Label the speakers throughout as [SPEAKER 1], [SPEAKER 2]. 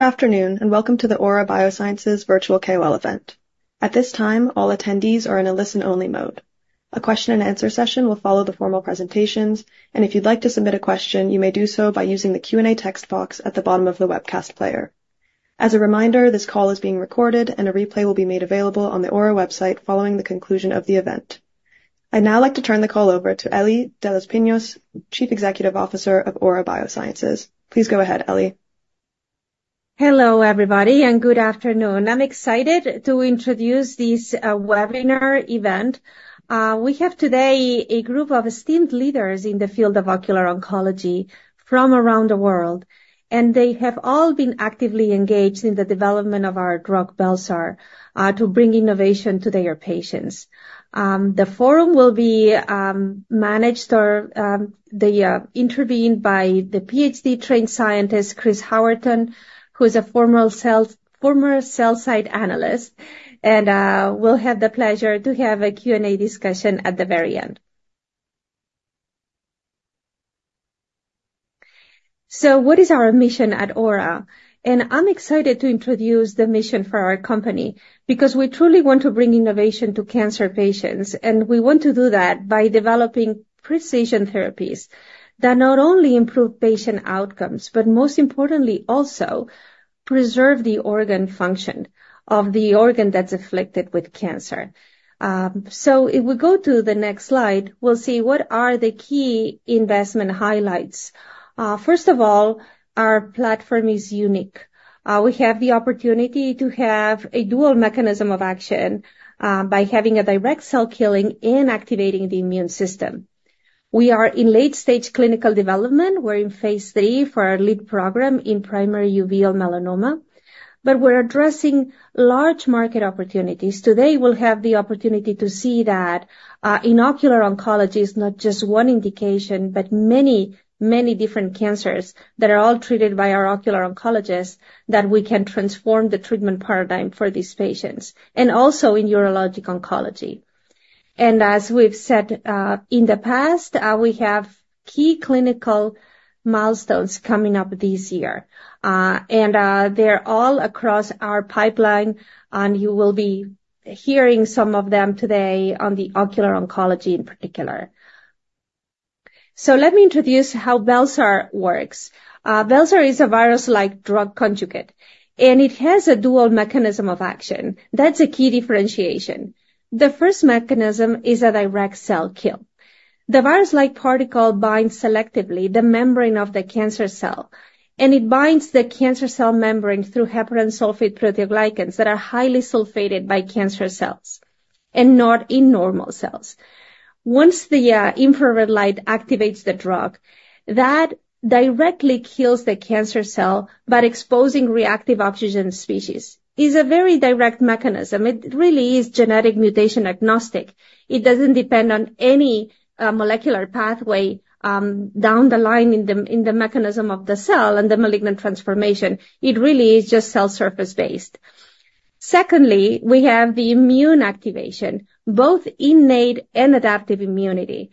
[SPEAKER 1] Good afternoon, and welcome to the Aura Biosciences virtual KOL event. At this time, all attendees are in a listen-only mode. A question and answer session will follow the formal presentations, and if you'd like to submit a question, you may do so by using the Q&A text box at the bottom of the webcast player. As a reminder, this call is being recorded, and a replay will be made available on the Aura website following the conclusion of the event. I'd now like to turn the call over to Ellie de los Pinos, Chief Executive Officer of Aura Biosciences. Please go ahead, Ellie.
[SPEAKER 2] Hello, everybody, and good afternoon. I'm excited to introduce this webinar event. We have today a group of esteemed leaders in the field of ocular oncology from around the world, and they have all been actively engaged in the development of our drug, Bel-sar, to bring innovation to their patients. The forum will be moderated by the PhD-trained scientist, Chris Howerton, who is a former sell-side analyst, and we'll have the pleasure to have a Q&A discussion at the very end. So what is our mission at Aura? And I'm excited to introduce the mission for our company because we truly want to bring innovation to cancer patients, and we want to do that by developing precision therapies that not only improve patient outcomes, but most importantly, also preserve the organ function of the organ that's afflicted with cancer. So if we go to the next slide, we'll see what are the key investment highlights. First of all, our platform is unique. We have the opportunity to have a dual mechanism of action, by having a direct cell killing and activating the immune system. We are in late stage clinical development. We're in Phase III for our lead program in primary uveal melanoma, but we're addressing large market opportunities. Today, we'll have the opportunity to see that in ocular oncology is not just one indication, but many, many different cancers that are all treated by our ocular oncologists, that we can transform the treatment paradigm for these patients, and also in urologic oncology. As we've said in the past, we have key clinical milestones coming up this year. They're all across our pipeline, and you will be hearing some of them today on the ocular oncology in particular. So let me introduce how Bel-sar works. Bel-sar is a virus-like drug conjugate, and it has a dual mechanism of action. That's a key differentiation. The first mechanism is a direct cell kill. The virus-like particle binds selectively the membrane of the cancer cell, and it binds the cancer cell membrane through heparan sulfate proteoglycans that are highly sulfated by cancer cells and not in normal cells. Once the infrared light activates the drug, that directly kills the cancer cell by exposing reactive oxygen species. It's a very direct mechanism. It really is genetic mutation agnostic. It doesn't depend on any molecular pathway down the line in the mechanism of the cell and the malignant transformation. It really is just cell surface-based. Secondly, we have the immune activation, both innate and adaptive immunity.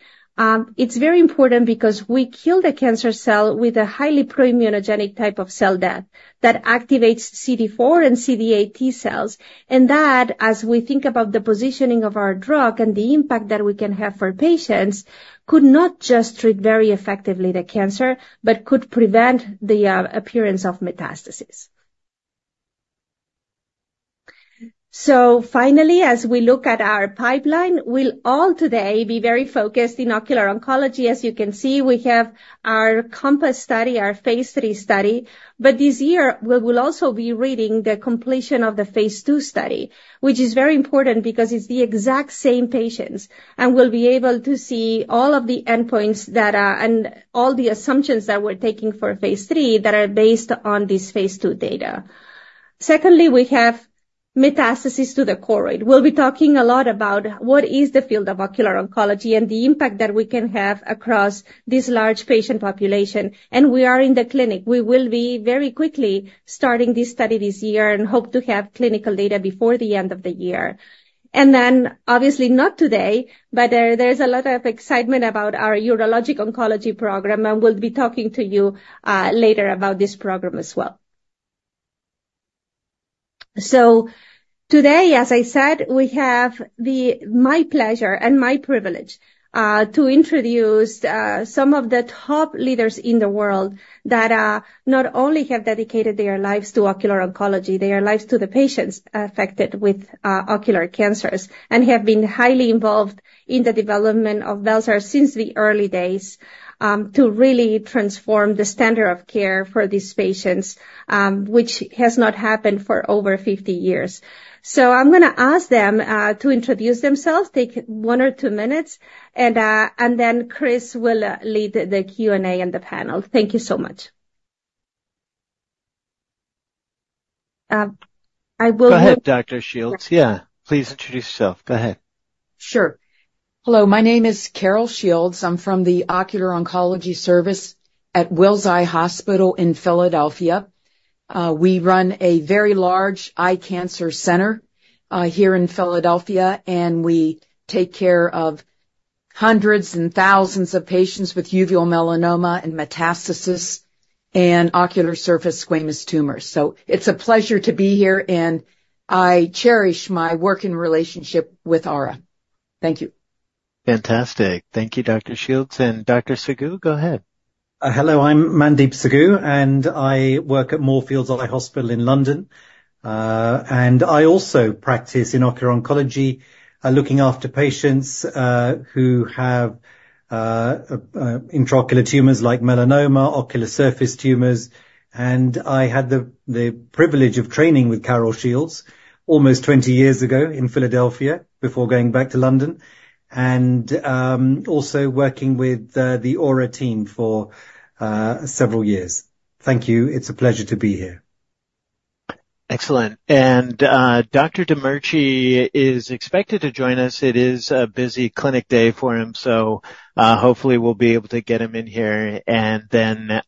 [SPEAKER 2] It's very important because we kill the cancer cell with a highly pro-immunogenic type of cell death that activates CD4 and CD8 T-cells, and that, as we think about the positioning of our drug and the impact that we can have for patients, could not just treat very effectively the cancer, but could prevent the appearance of metastasis. Finally, as we look at our pipeline, we'll all today be very focused in ocular oncology. As you can see, we have our CoMpass study, our phase III study, but this year we will also be reaching the completion of the phase II study, which is very important because it's the exact same patients, and we'll be able to see all of the endpoints that are... and all the assumptions that we're taking for phase III that are based on this phase II data. Secondly, we have metastasis to the choroid. We'll be talking a lot about what is the field of ocular oncology and the impact that we can have across this large patient population, and we are in the clinic. We will be very quickly starting this study this year and hope to have clinical data before the end of the year. And then, obviously, not today, but there, there's a lot of excitement about our urologic oncology program, and we'll be talking to you later about this program as well. So today, as I said, we have my pleasure and my privilege to introduce some of the top leaders in the world that not only have dedicated their lives to ocular oncology, their lives to the patients affected with ocular cancers, and have been highly involved in the development of Bel-sar since the early days to really transform the standard of care for these patients, which has not happened for over 50 years. So I'm gonna ask them to introduce themselves, take 1 or 2 minutes, and then Chris will lead the Q&A and the panel. Thank you so much. I will-
[SPEAKER 1] Go ahead, Dr. Shields. Yeah, please introduce yourself. Go ahead.
[SPEAKER 3] Sure. Hello, my name is Carol Shields. I'm from the Ocular Oncology Service at Wills Eye Hospital in Philadelphia. We run a very large eye cancer center here in Philadelphia, and we take care of hundreds and thousands of patients with uveal melanoma and metastasis and ocular surface squamous tumors. So it's a pleasure to be here, and I cherish my working relationship with Aura. Thank you.
[SPEAKER 4] Fantastic. Thank you, Dr. Shields. Dr. Sagoo, go ahead.
[SPEAKER 5] Hello, I'm Mandeep Sagoo, and I work at Moorfields Eye Hospital in London. I also practice in ocular oncology, looking after patients who have intraocular tumors like melanoma, ocular surface tumors. I had the privilege of training with Carol Shields almost 20 years ago in Philadelphia before going back to London, and also working with the Aura team for several years. Thank you. It's a pleasure to be here.
[SPEAKER 4] Excellent. And, Dr. Demirci is expected to join us. It is a busy clinic day for him, so, hopefully, we'll be able to get him in here. And then,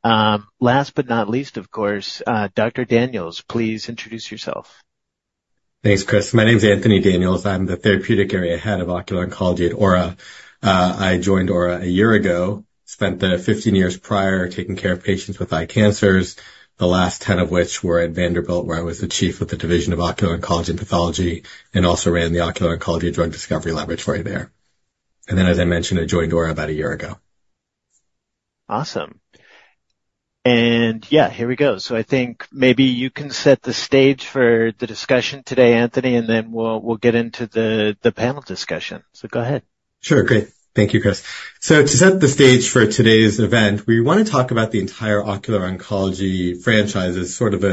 [SPEAKER 4] last but not least, of course, Dr. Daniels, please introduce yourself.
[SPEAKER 6] Thanks, Chris. My name is Anthony Daniels. I'm the therapeutic area head of ocular oncology at Aura. I joined Aura a year ago, spent the 15 years prior taking care of patients with eye cancers, the last 10 of which were at Vanderbilt, where I was the chief of the division of ocular oncology and pathology, and also ran the Ocular Oncology and Drug Discovery Laboratory there. And then, as I mentioned, I joined Aura about a year ago.
[SPEAKER 4] Awesome. Yeah, here we go. So I think maybe you can set the stage for the discussion today, Anthony, and then we'll get into the panel discussion. So go ahead.
[SPEAKER 6] Sure. Great, thank you, Chris. So to set the stage for today's event, we want to talk about the entire ocular oncology franchise as sort of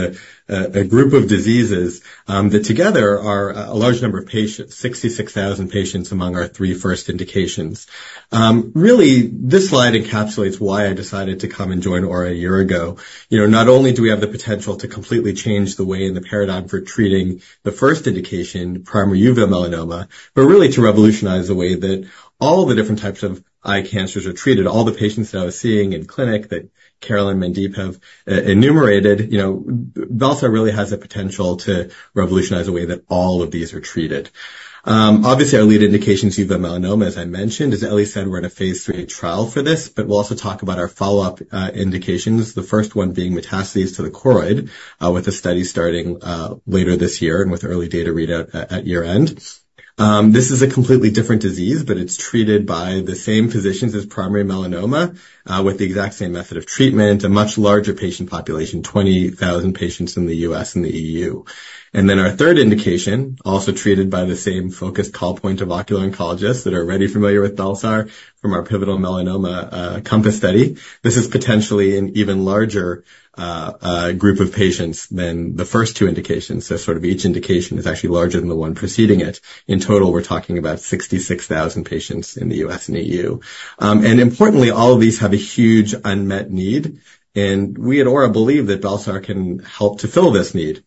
[SPEAKER 6] a group of diseases that together are a large number of patients, 66,000 patients, among our three first indications. Really, this slide encapsulates why I decided to come and join Aura a year ago. You know, not only do we have the potential to completely change the way and the paradigm for treating the first indication, primary uveal melanoma, but really to revolutionize the way that all the different types of eye cancers are treated. All the patients that I was seeing in clinic that Carol and Mandeep have enumerated, you know, Bel-sar really has the potential to revolutionize the way that all of these are treated. Obviously, our lead indication, uveal melanoma, as I mentioned, as Ellie said, we're in a phase III trial for this, but we'll also talk about our follow-up indications, the first one being metastases to the choroid, with a study starting later this year and with early data readout at year-end. This is a completely different disease, but it's treated by the same physicians as primary melanoma, with the exact same method of treatment. A much larger patient population, 20,000 patients in the U.S. and the EU. Then our third indication, also treated by the same focused call point of ocular oncologists that are already familiar with Bel-sar from our pivotal melanoma CoMpass study. This is potentially an even larger group of patients than the first two indications. So sort of each indication is actually larger than the one preceding it. In total, we're talking about 66,000 patients in the U.S. and E.U. And importantly, all of these have a huge unmet need, and we at Aura believe that Bel-sar can help to fill this need.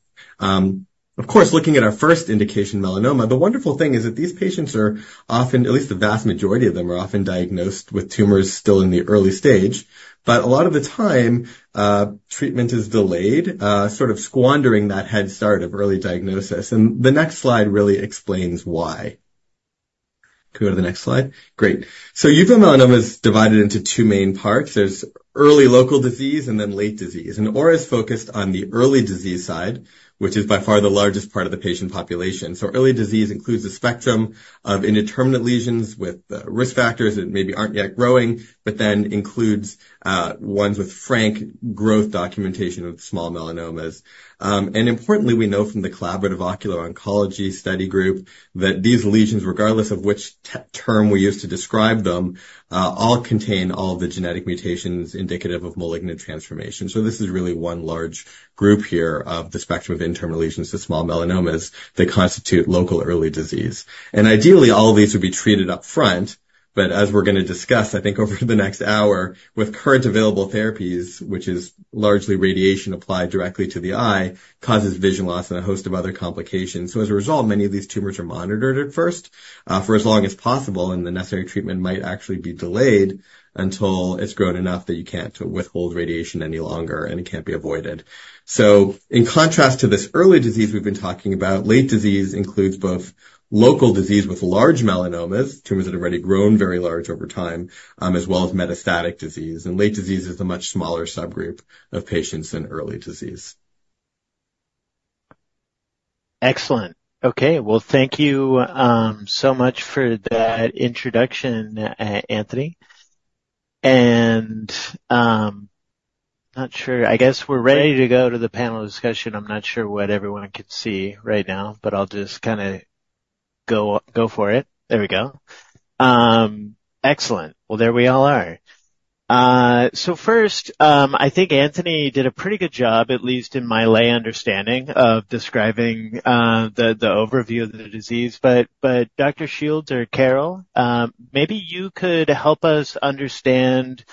[SPEAKER 6] Of course, looking at our first indication, melanoma, the wonderful thing is that these patients are often... at least the vast majority of them, are often diagnosed with tumors still in the early stage. But a lot of the time, treatment is delayed, sort of squandering that head start of early diagnosis. And the next slide really explains why. Can we go to the next slide? Great. So uveal melanoma is divided into two main parts. There's early local disease and then late disease. Aura is focused on the early disease side, which is by far the largest part of the patient population. Early disease includes a spectrum of indeterminate lesions with risk factors that maybe aren't yet growing, but then includes ones with frank growth documentation of small melanomas. Importantly, we know from the Collaborative Ocular Oncology Study Group that these lesions, regardless of which term we use to describe them, all contain all the genetic mutations indicative of malignant transformation. This is really one large group here of the spectrum of indeterminate lesions to small melanomas that constitute local early disease. Ideally, all of these would be treated up front, but as we're going to discuss, I think over the next hour, with current available therapies, which is largely radiation applied directly to the eye, causes vision loss and a host of other complications. So as a result, many of these tumors are monitored at first for as long as possible, and the necessary treatment might actually be delayed until it's grown enough that you can't withhold radiation any longer, and it can't be avoided. So in contrast to this early disease we've been talking about, late disease includes both local disease with large melanomas, tumors that have already grown very large over time, as well as metastatic disease. And late disease is a much smaller subgroup of patients than early disease.
[SPEAKER 4] Excellent. Okay, well, thank you so much for that introduction, Anthony. And, not sure. I guess we're ready to go to the panel discussion. I'm not sure what everyone can see right now, but I'll just kinda go for it. There we go. Excellent! Well, there we all are. So first, I think Anthony did a pretty good job, at least in my lay understanding of describing the overview of the disease. But Dr. Shields or Carol, maybe you could help us understand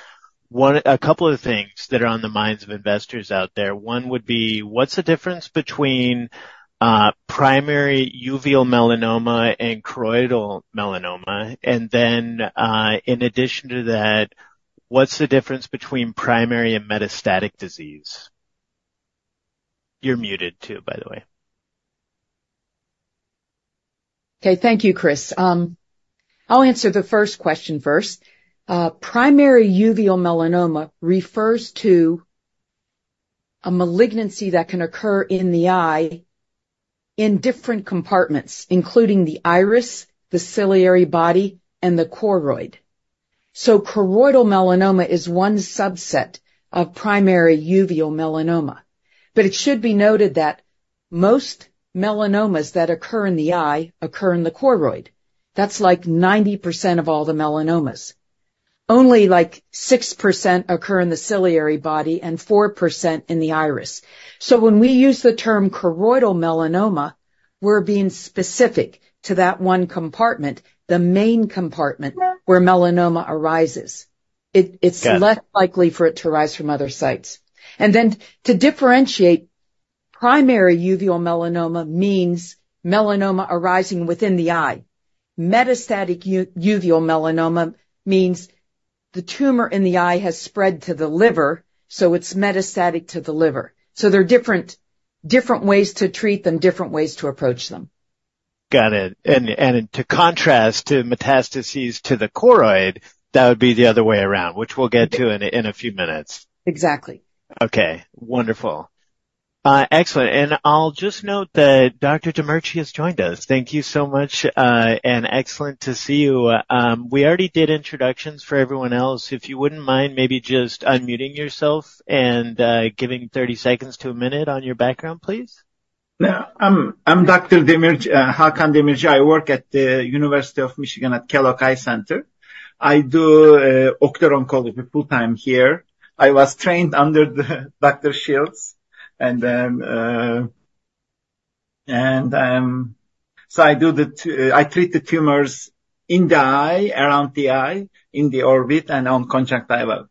[SPEAKER 4] a couple of things that are on the minds of investors out there. One would be: What's the difference between primary uveal melanoma and choroidal melanoma? And then, in addition to that, what's the difference between primary and metastatic disease? You're muted too, by the way....
[SPEAKER 3] Okay, thank you, Chris. I'll answer the first question first. Primary uveal melanoma refers to a malignancy that can occur in the eye in different compartments, including the iris, the ciliary body, and the choroid. So choroidal melanoma is one subset of primary uveal melanoma, but it should be noted that most melanomas that occur in the eye occur in the choroid. That's like 90% of all the melanomas. Only like 6% occur in the ciliary body and 4% in the iris. So when we use the term choroidal melanoma, we're being specific to that one compartment, the main compartment where melanoma arises.
[SPEAKER 4] Got it.
[SPEAKER 3] It's less likely for it to arise from other sites. And then to differentiate, primary uveal melanoma means melanoma arising within the eye. Metastatic uveal melanoma means the tumor in the eye has spread to the liver, so it's metastatic to the liver. So there are different ways to treat them, different ways to approach them.
[SPEAKER 4] Got it. And to contrast, to metastases to the choroid, that would be the other way around, which we'll get to in a few minutes.
[SPEAKER 3] Exactly.
[SPEAKER 4] Okay. Wonderful. Excellent, and I'll just note that Dr. Demirci has joined us. Thank you so much, and excellent to see you. We already did introductions for everyone else. If you wouldn't mind, maybe just unmuting yourself and, giving 30 seconds to a minute on your background, please.
[SPEAKER 7] Yeah. I'm Dr. Demirci, Hakan Demirci. I work at the University of Michigan W.K. Kellogg Eye Center. I do ocular oncology full time here. I was trained under Dr. Shields, and so I treat the tumors in the eye, around the eye, in the orbit, and on conjunctiva.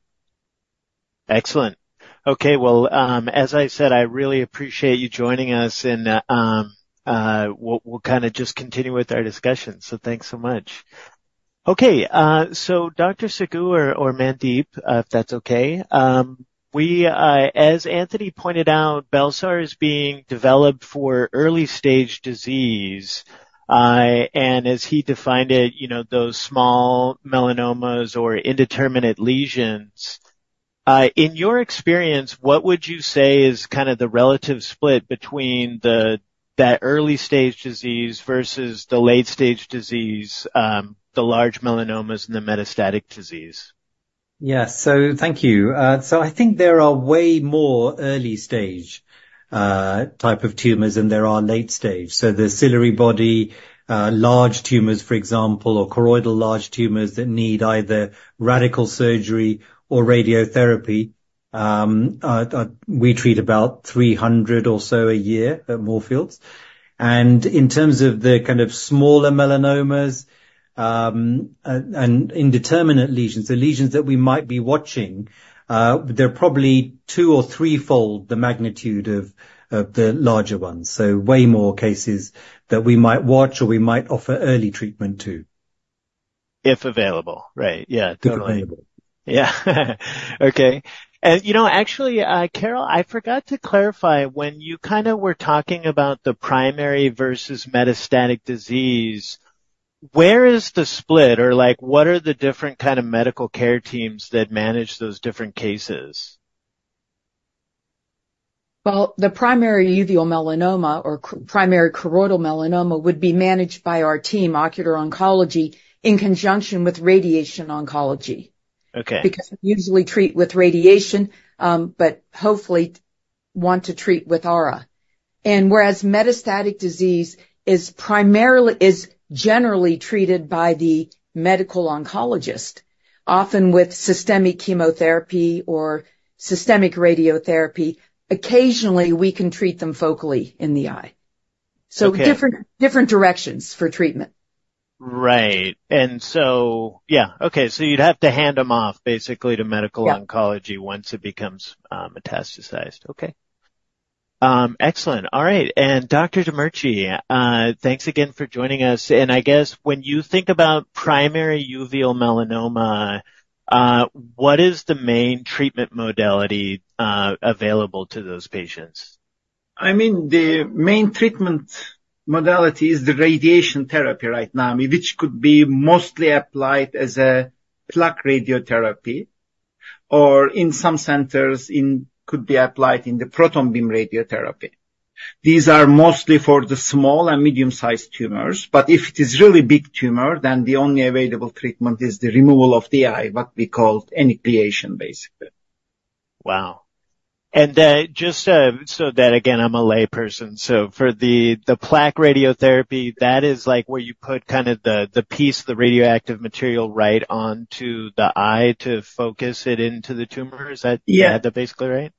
[SPEAKER 4] Excellent. Okay, well, as I said, I really appreciate you joining us, and, we'll kind of just continue with our discussion. So thanks so much. Okay, so Dr. Sagoo or Mandeep, if that's okay, we, as Anthony pointed out, Bel-sar is being developed for early stage disease. And as he defined it, you know, those small melanomas or indeterminate lesions. In your experience, what would you say is kind of the relative split between the, that early stage disease versus the late stage disease, the large melanomas and the metastatic disease?
[SPEAKER 5] Yes. So thank you. So I think there are way more early stage type of tumors than there are late stage. So the ciliary body large tumors, for example, or choroidal large tumors that need either radical surgery or radiotherapy, are... We treat about 300 or so a year at Moorfields. And in terms of the kind of smaller melanomas, and indeterminate lesions, the lesions that we might be watching, they're probably two or threefold the magnitude of the larger ones, so way more cases that we might watch or we might offer early treatment to.
[SPEAKER 4] If available, right? Yeah, totally.
[SPEAKER 5] If available.
[SPEAKER 4] Yeah. Okay. And, you know, actually, Carol, I forgot to clarify, when you kinda were talking about the primary versus metastatic disease, where is the split? Or like, what are the different kind of medical care teams that manage those different cases?
[SPEAKER 3] Well, the primary uveal melanoma or primary choroidal melanoma would be managed by our team, ocular oncology, in conjunction with radiation oncology.
[SPEAKER 4] Okay.
[SPEAKER 3] Because we usually treat with radiation, but hopefully want to treat with Aura. And whereas metastatic disease is generally treated by the medical oncologist, often with systemic chemotherapy or systemic radiotherapy, occasionally, we can treat them focally in the eye.
[SPEAKER 4] Okay.
[SPEAKER 3] Different, different directions for treatment.
[SPEAKER 4] Right. And so, yeah. Okay, so you'd have to hand them off basically to medical-
[SPEAKER 3] Yeah
[SPEAKER 4] oncology once it becomes metastasized. Okay. Excellent. All right, and Dr. Demirci, thanks again for joining us, and I guess when you think about primary uveal melanoma, what is the main treatment modality available to those patients?
[SPEAKER 7] I mean, the main treatment modality is the radiation therapy right now, which could be mostly applied as a plaque radiotherapy, or in some centers could be applied in the proton beam radiotherapy. These are mostly for the small and medium-sized tumors, but if it is really big tumor, then the only available treatment is the removal of the eye, what we call enucleation, basically.
[SPEAKER 4] Wow! And, just, so that, again, I'm a layperson, so for the plaque radiotherapy, that is like where you put kind of the piece, the radioactive material right onto the eye to focus it into the tumor. Is that-
[SPEAKER 7] Yeah.
[SPEAKER 4] - basically, right?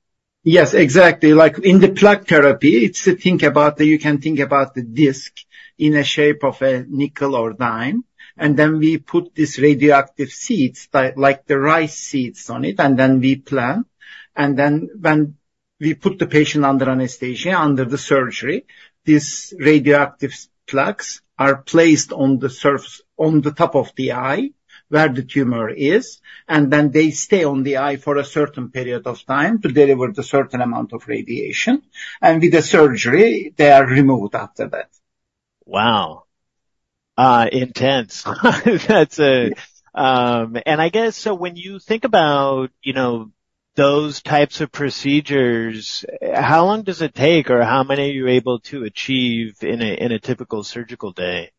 [SPEAKER 7] Yes, exactly. Like, in the plaque therapy, it's to think about the... You can think about the disk in a shape of a nickel or dime, and then we put these radioactive seeds, like the rice seeds on it, and then we plant, and then when we put the patient under anesthesia, under the surgery, these radioactive plaques are placed on the surface on the top of the eye, where the tumor is, and then they stay on the eye for a certain period of time to deliver the certain amount of radiation, and with the surgery, they are removed after that.
[SPEAKER 4] Wow! Intense. I guess so when you think about, you know, those types of procedures, how long does it take or how many are you able to achieve in a typical surgical day?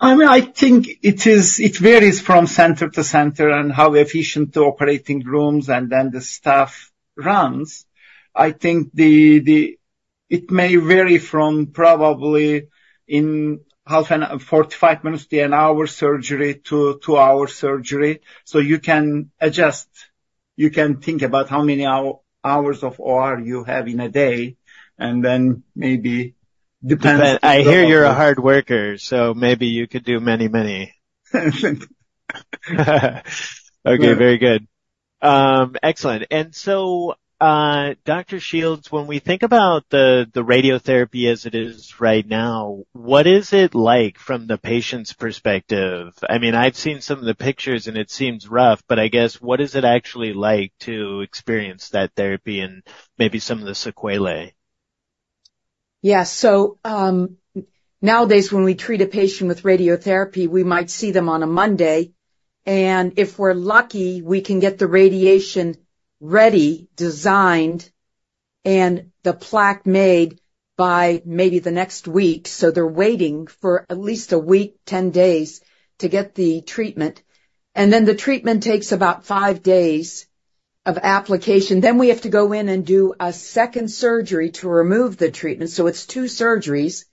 [SPEAKER 5] I mean, I think it is. It varies from center to center and how efficient the operating rooms and then the staff runs. I think. It may vary from probably 45 minutes to an hour surgery to 2-hour surgery. So you can adjust, you can think about how many hours of OR you have in a day, and then maybe depends-
[SPEAKER 4] But I hear you're a hard worker, so maybe you could do many, many. Okay, very good. Excellent. And so, Dr. Shields, when we think about the radiotherapy as it is right now, what is it like from the patient's perspective? I mean, I've seen some of the pictures, and it seems rough, but I guess what is it actually like to experience that therapy and maybe some of the sequelae?
[SPEAKER 3] Yeah. So, nowadays, when we treat a patient with radiotherapy, we might see them on a Monday, and if we're lucky, we can get the radiation ready, designed, and the plaque made by maybe the next week. So, they're waiting for at least a week, 10 days, to get the treatment. And then the treatment takes about 5 days of application. Then we have to go in and do a second surgery to remove the treatment. So it's two surgeries.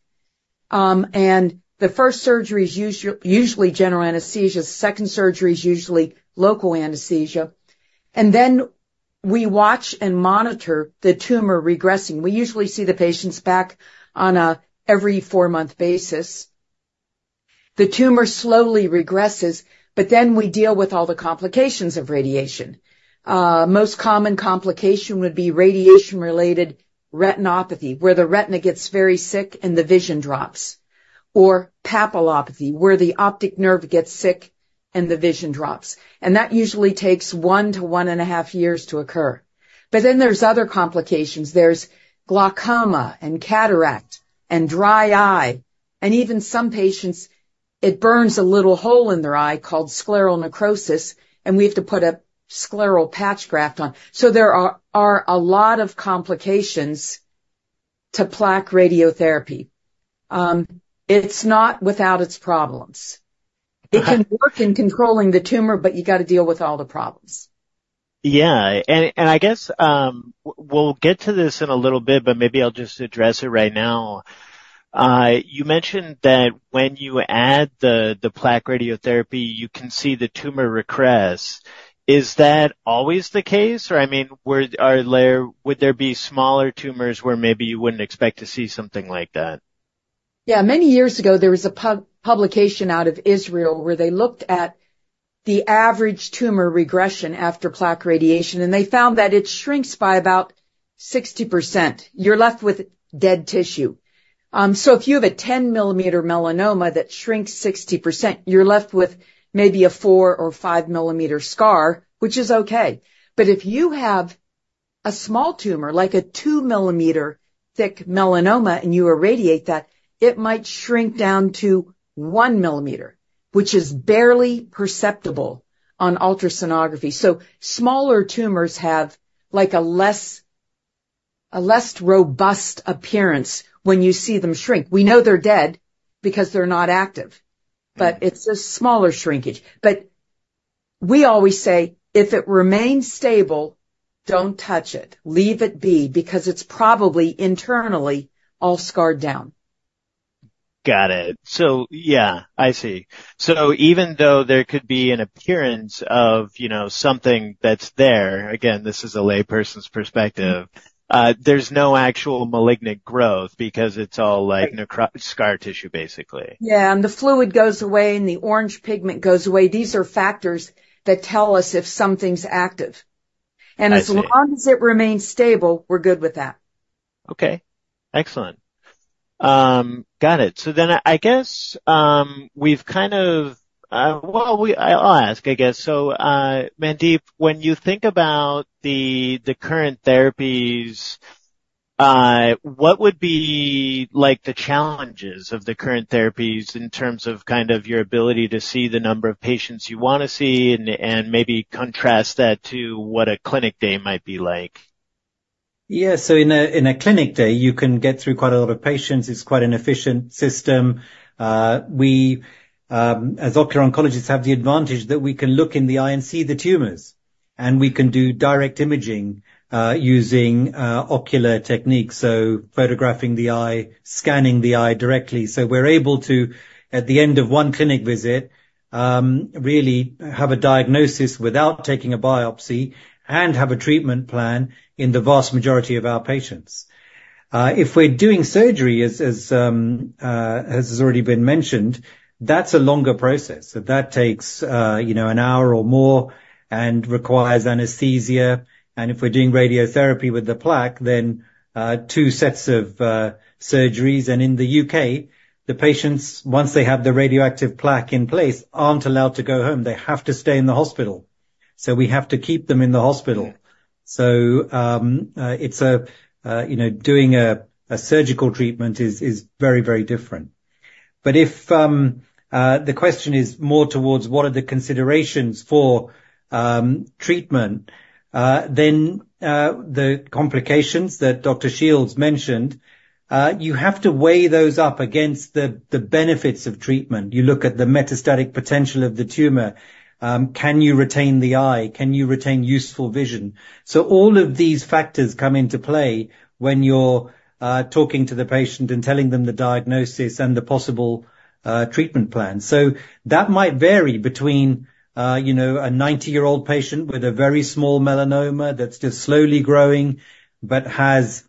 [SPEAKER 3] And the first surgery is usually general anesthesia. Second surgery is usually local anesthesia. And then we watch and monitor the tumor regressing. We usually see the patients back on a every four-month basis. The tumor slowly regresses, but then we deal with all the complications of radiation. Most common complication would be radiation-related retinopathy, where the retina gets very sick and the vision drops, or papillopathy, where the optic nerve gets sick and the vision drops. And that usually takes 1-1.5 years to occur. But then there's other complications. There's glaucoma, and cataract, and dry eye, and even some patients, it burns a little hole in their eye called scleral necrosis, and we have to put a scleral patch graft on. So there are a lot of complications to plaque radiotherapy. It's not without its problems.
[SPEAKER 4] Uh-
[SPEAKER 3] It can work in controlling the tumor, but you got to deal with all the problems.
[SPEAKER 4] Yeah, and I guess we'll get to this in a little bit, but maybe I'll just address it right now. You mentioned that when you add the plaque radiotherapy, you can see the tumor regress. Is that always the case, or, I mean, would there be smaller tumors where maybe you wouldn't expect to see something like that?
[SPEAKER 3] Yeah. Many years ago, there was a publication out of Israel where they looked at the average tumor regression after plaque radiation, and they found that it shrinks by about 60%. You're left with dead tissue. So if you have a 10-millimeter melanoma that shrinks 60%, you're left with maybe a 4- or 5-millimeter scar, which is okay. But if you have a small tumor, like a 2-millimeter-thick melanoma, and you irradiate that, it might shrink down to 1 millimeter, which is barely perceptible on ultrasonography. So smaller tumors have like a less robust appearance when you see them shrink. We know they're dead because they're not active, but it's a smaller shrinkage. But we always say, "If it remains stable, don't touch it. Leave it be, because it's probably internally all scarred down.
[SPEAKER 4] Got it. So yeah, I see. So even though there could be an appearance of, you know, something that's there, again, this is a layperson's perspective, there's no actual malignant growth because it's all, like, necrotic scar tissue, basically.
[SPEAKER 3] Yeah, and the fluid goes away, and the orange pigment goes away. These are factors that tell us if something's active.
[SPEAKER 4] I see.
[SPEAKER 3] As long as it remains stable, we're good with that.
[SPEAKER 4] Okay, excellent. Got it. So then I guess we've kind of... Well, I'll ask, I guess. So, Mandeep, when you think about the current therapies, what would be like the challenges of the current therapies in terms of kind of your ability to see the number of patients you want to see and maybe contrast that to what a clinic day might be like?
[SPEAKER 5] Yeah. So in a clinic day, you can get through quite a lot of patients. It's quite an efficient system. We, as ocular oncologists, have the advantage that we can look in the eye and see the tumors, and we can do direct imaging using ocular techniques, so photographing the eye, scanning the eye directly. So we're able to, at the end of one clinic visit, really have a diagnosis without taking a biopsy and have a treatment plan in the vast majority of our patients. If we're doing surgery, as has already been mentioned, that's a longer process. So that takes, you know, an hour or more and requires anesthesia. And if we're doing radiotherapy with the plaque, then two sets of surgeries. In the U.K., the patients, once they have the radioactive plaque in place, aren't allowed to go home. They have to stay in the hospital. ... So we have to keep them in the hospital. So, you know, doing a surgical treatment is very, very different. But if the question is more towards what are the considerations for treatment, then the complications that Dr. Shields mentioned, you have to weigh those up against the benefits of treatment. You look at the metastatic potential of the tumor, can you retain the eye? Can you retain useful vision? So all of these factors come into play when you're talking to the patient and telling them the diagnosis and the possible treatment plan. So that might vary between, you know, a 90-year-old patient with a very small melanoma that's just slowly growing but has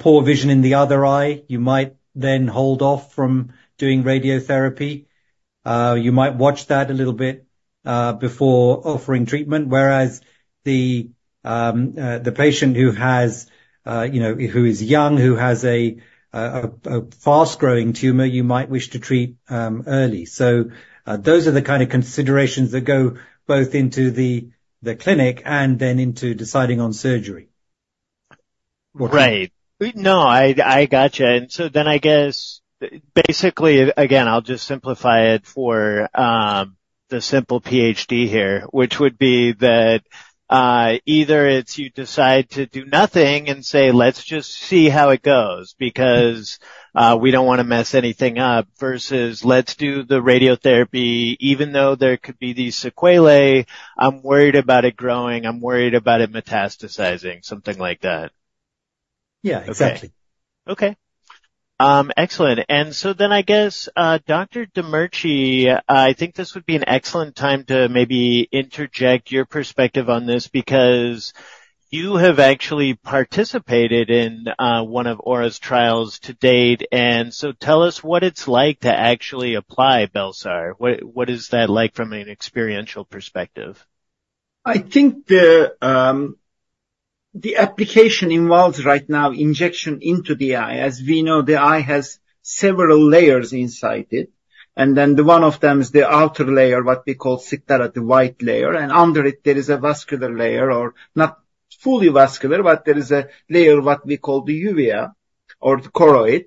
[SPEAKER 5] poor vision in the other eye. You might then hold off from doing radiotherapy. You might watch that a little bit before offering treatment, whereas the patient who has, you know, who is young, who has a fast-growing tumor, you might wish to treat early. So, those are the kind of considerations that go both into the clinic and then into deciding on surgery.
[SPEAKER 4] Right. No, I got you. And so then I guess, basically, again, I'll just simplify it for the simple PhD here, which would be that either it's you decide to do nothing and say, "Let's just see how it goes, because we don't wanna mess anything up," versus, "Let's do the radiotherapy, even though there could be these sequelae, I'm worried about it growing, I'm worried about it metastasizing." Something like that. Yeah, exactly. Okay. Excellent. So then, I guess, Dr. Demirci, I think this would be an excellent time to maybe interject your perspective on this, because you have actually participated in one of Aura's trials to date, and so tell us what it's like to actually apply Bel-sar. What is that like from an experiential perspective?
[SPEAKER 7] I think the, the application involves right now injection into the eye. As we know, the eye has several layers inside it, and then the one of them is the outer layer, what we call sclera, the white layer, and under it there is a vascular layer, or not fully vascular, but there is a layer, what we call the uvea or the choroid.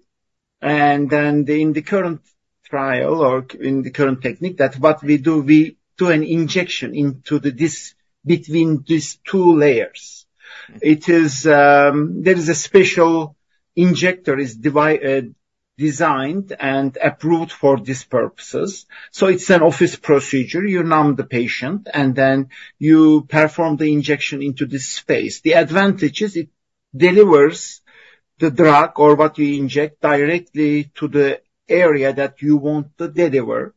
[SPEAKER 7] And then in the current trial or in the current technique, that what we do, we do an injection into this, between these two layers. It is, there is a special injector, is designed and approved for these purposes. So it's an office procedure. You numb the patient, and then you perform the injection into this space. The advantage is it delivers the drug or what you inject directly to the area that you want to deliver.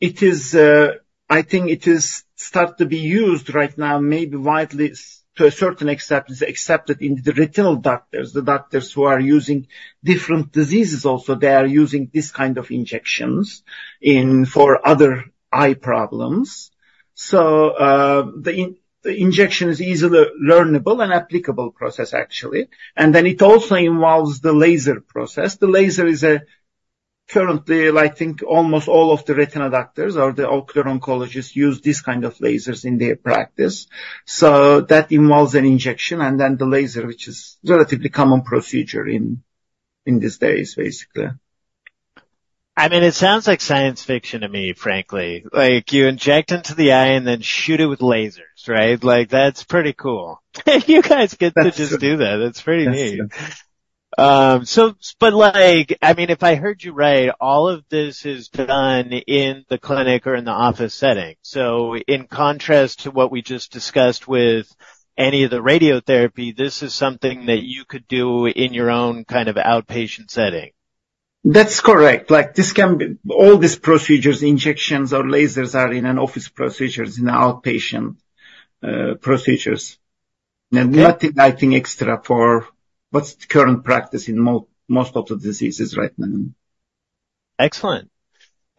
[SPEAKER 7] It is, I think it is start to be used right now, maybe widely to a certain acceptance, accepted in the retinal doctors, the doctors who are using different diseases also, they are using this kind of injections in for other eye problems. So, the injection is easily learnable and applicable process actually. And then it also involves the laser process. The laser is a currently, I think almost all of the retina doctors or the ocular oncologists use these kind of lasers in their practice. So that involves an injection and then the laser, which is relatively common procedure in these days, basically.
[SPEAKER 4] I mean, it sounds like science fiction to me, frankly. Like, you inject into the eye and then shoot it with lasers, right? Like, that's pretty cool. You guys get to just do that. That's pretty neat. So but like, I mean, if I heard you right, all of this is done in the clinic or in the office setting. So in contrast to what we just discussed with any of the radiotherapy, this is something that you could do in your own kind of outpatient setting?
[SPEAKER 7] That's correct. Like, this can be... All these procedures, injections or lasers, are in-office procedures, in outpatient procedures. Nothing, I think, extra for what's current practice in most of the diseases right now.
[SPEAKER 4] Excellent.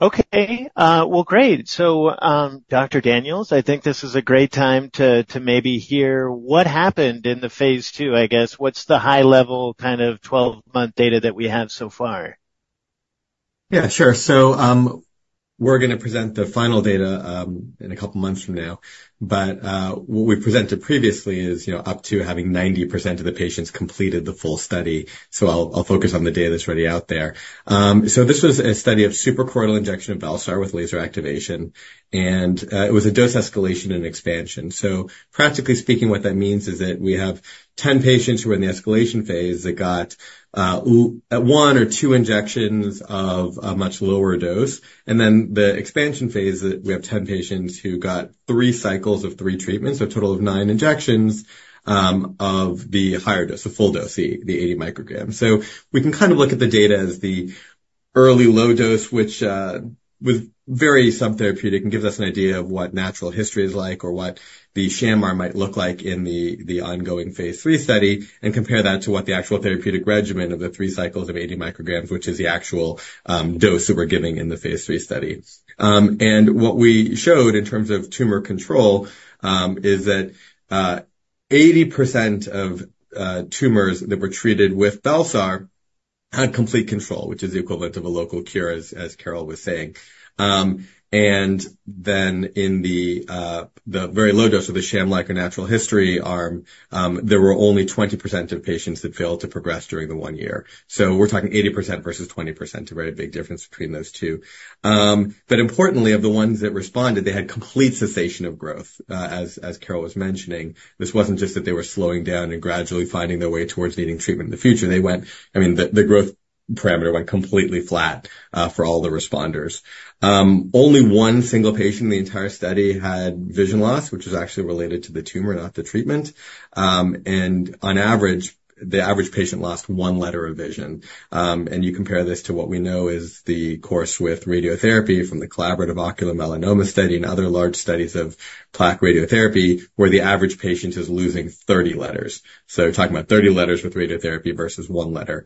[SPEAKER 4] Okay, well, great. So, Dr. Daniels, I think this is a great time to, to maybe hear what happened in the phase two, I guess. What's the high level, kind of, 12-month data that we have so far?
[SPEAKER 6] Yeah, sure. So, we're gonna present the final data in a couple of months from now, but what we presented previously is, you know, up to having 90% of the patients completed the full study. So I'll focus on the data that's already out there. So this was a study of suprachoroidal injection of Bel-sar with laser activation, and it was a dose escalation and expansion. So practically speaking, what that means is that we have 10 patients who were in the escalation phase, that got 1 or 2 injections of a much lower dose, and then the expansion phase, that we have 10 patients who got 3 cycles of 3 treatments, so a total of 9 injections of the higher dose, the full dose, the 80 micrograms. So we can kind of look at the data as the early low dose, which was very subtherapeutic and gives us an idea of what natural history is like or what the sham might look like in the ongoing phase III study, and compare that to what the actual therapeutic regimen of the 3 cycles of 80 micrograms, which is the actual dose that we're giving in the phase III study. And what we showed in terms of tumor control is that 80% of tumors that were treated with Bel-sar- ...had complete control, which is the equivalent of a local cure, as Carol was saying. And then in the very low dose of the sham like a natural history arm, there were only 20% of patients that failed to progress during the one year. So we're talking 80% versus 20%, a very big difference between those two. But importantly, of the ones that responded, they had complete cessation of growth, as Carol was mentioning. This wasn't just that they were slowing down and gradually finding their way towards needing treatment in the future. They went, I mean, the growth parameter went completely flat, for all the responders. Only one single patient in the entire study had vision loss, which was actually related to the tumor, not the treatment. And on average, the average patient lost 1 letter of vision. And you compare this to what we know is the course with radiotherapy from the Collaborative Ocular Melanoma Study and other large studies of plaque radiotherapy, where the average patient is losing 30 letters. So, you're talking about 30 letters with radiotherapy versus 1 letter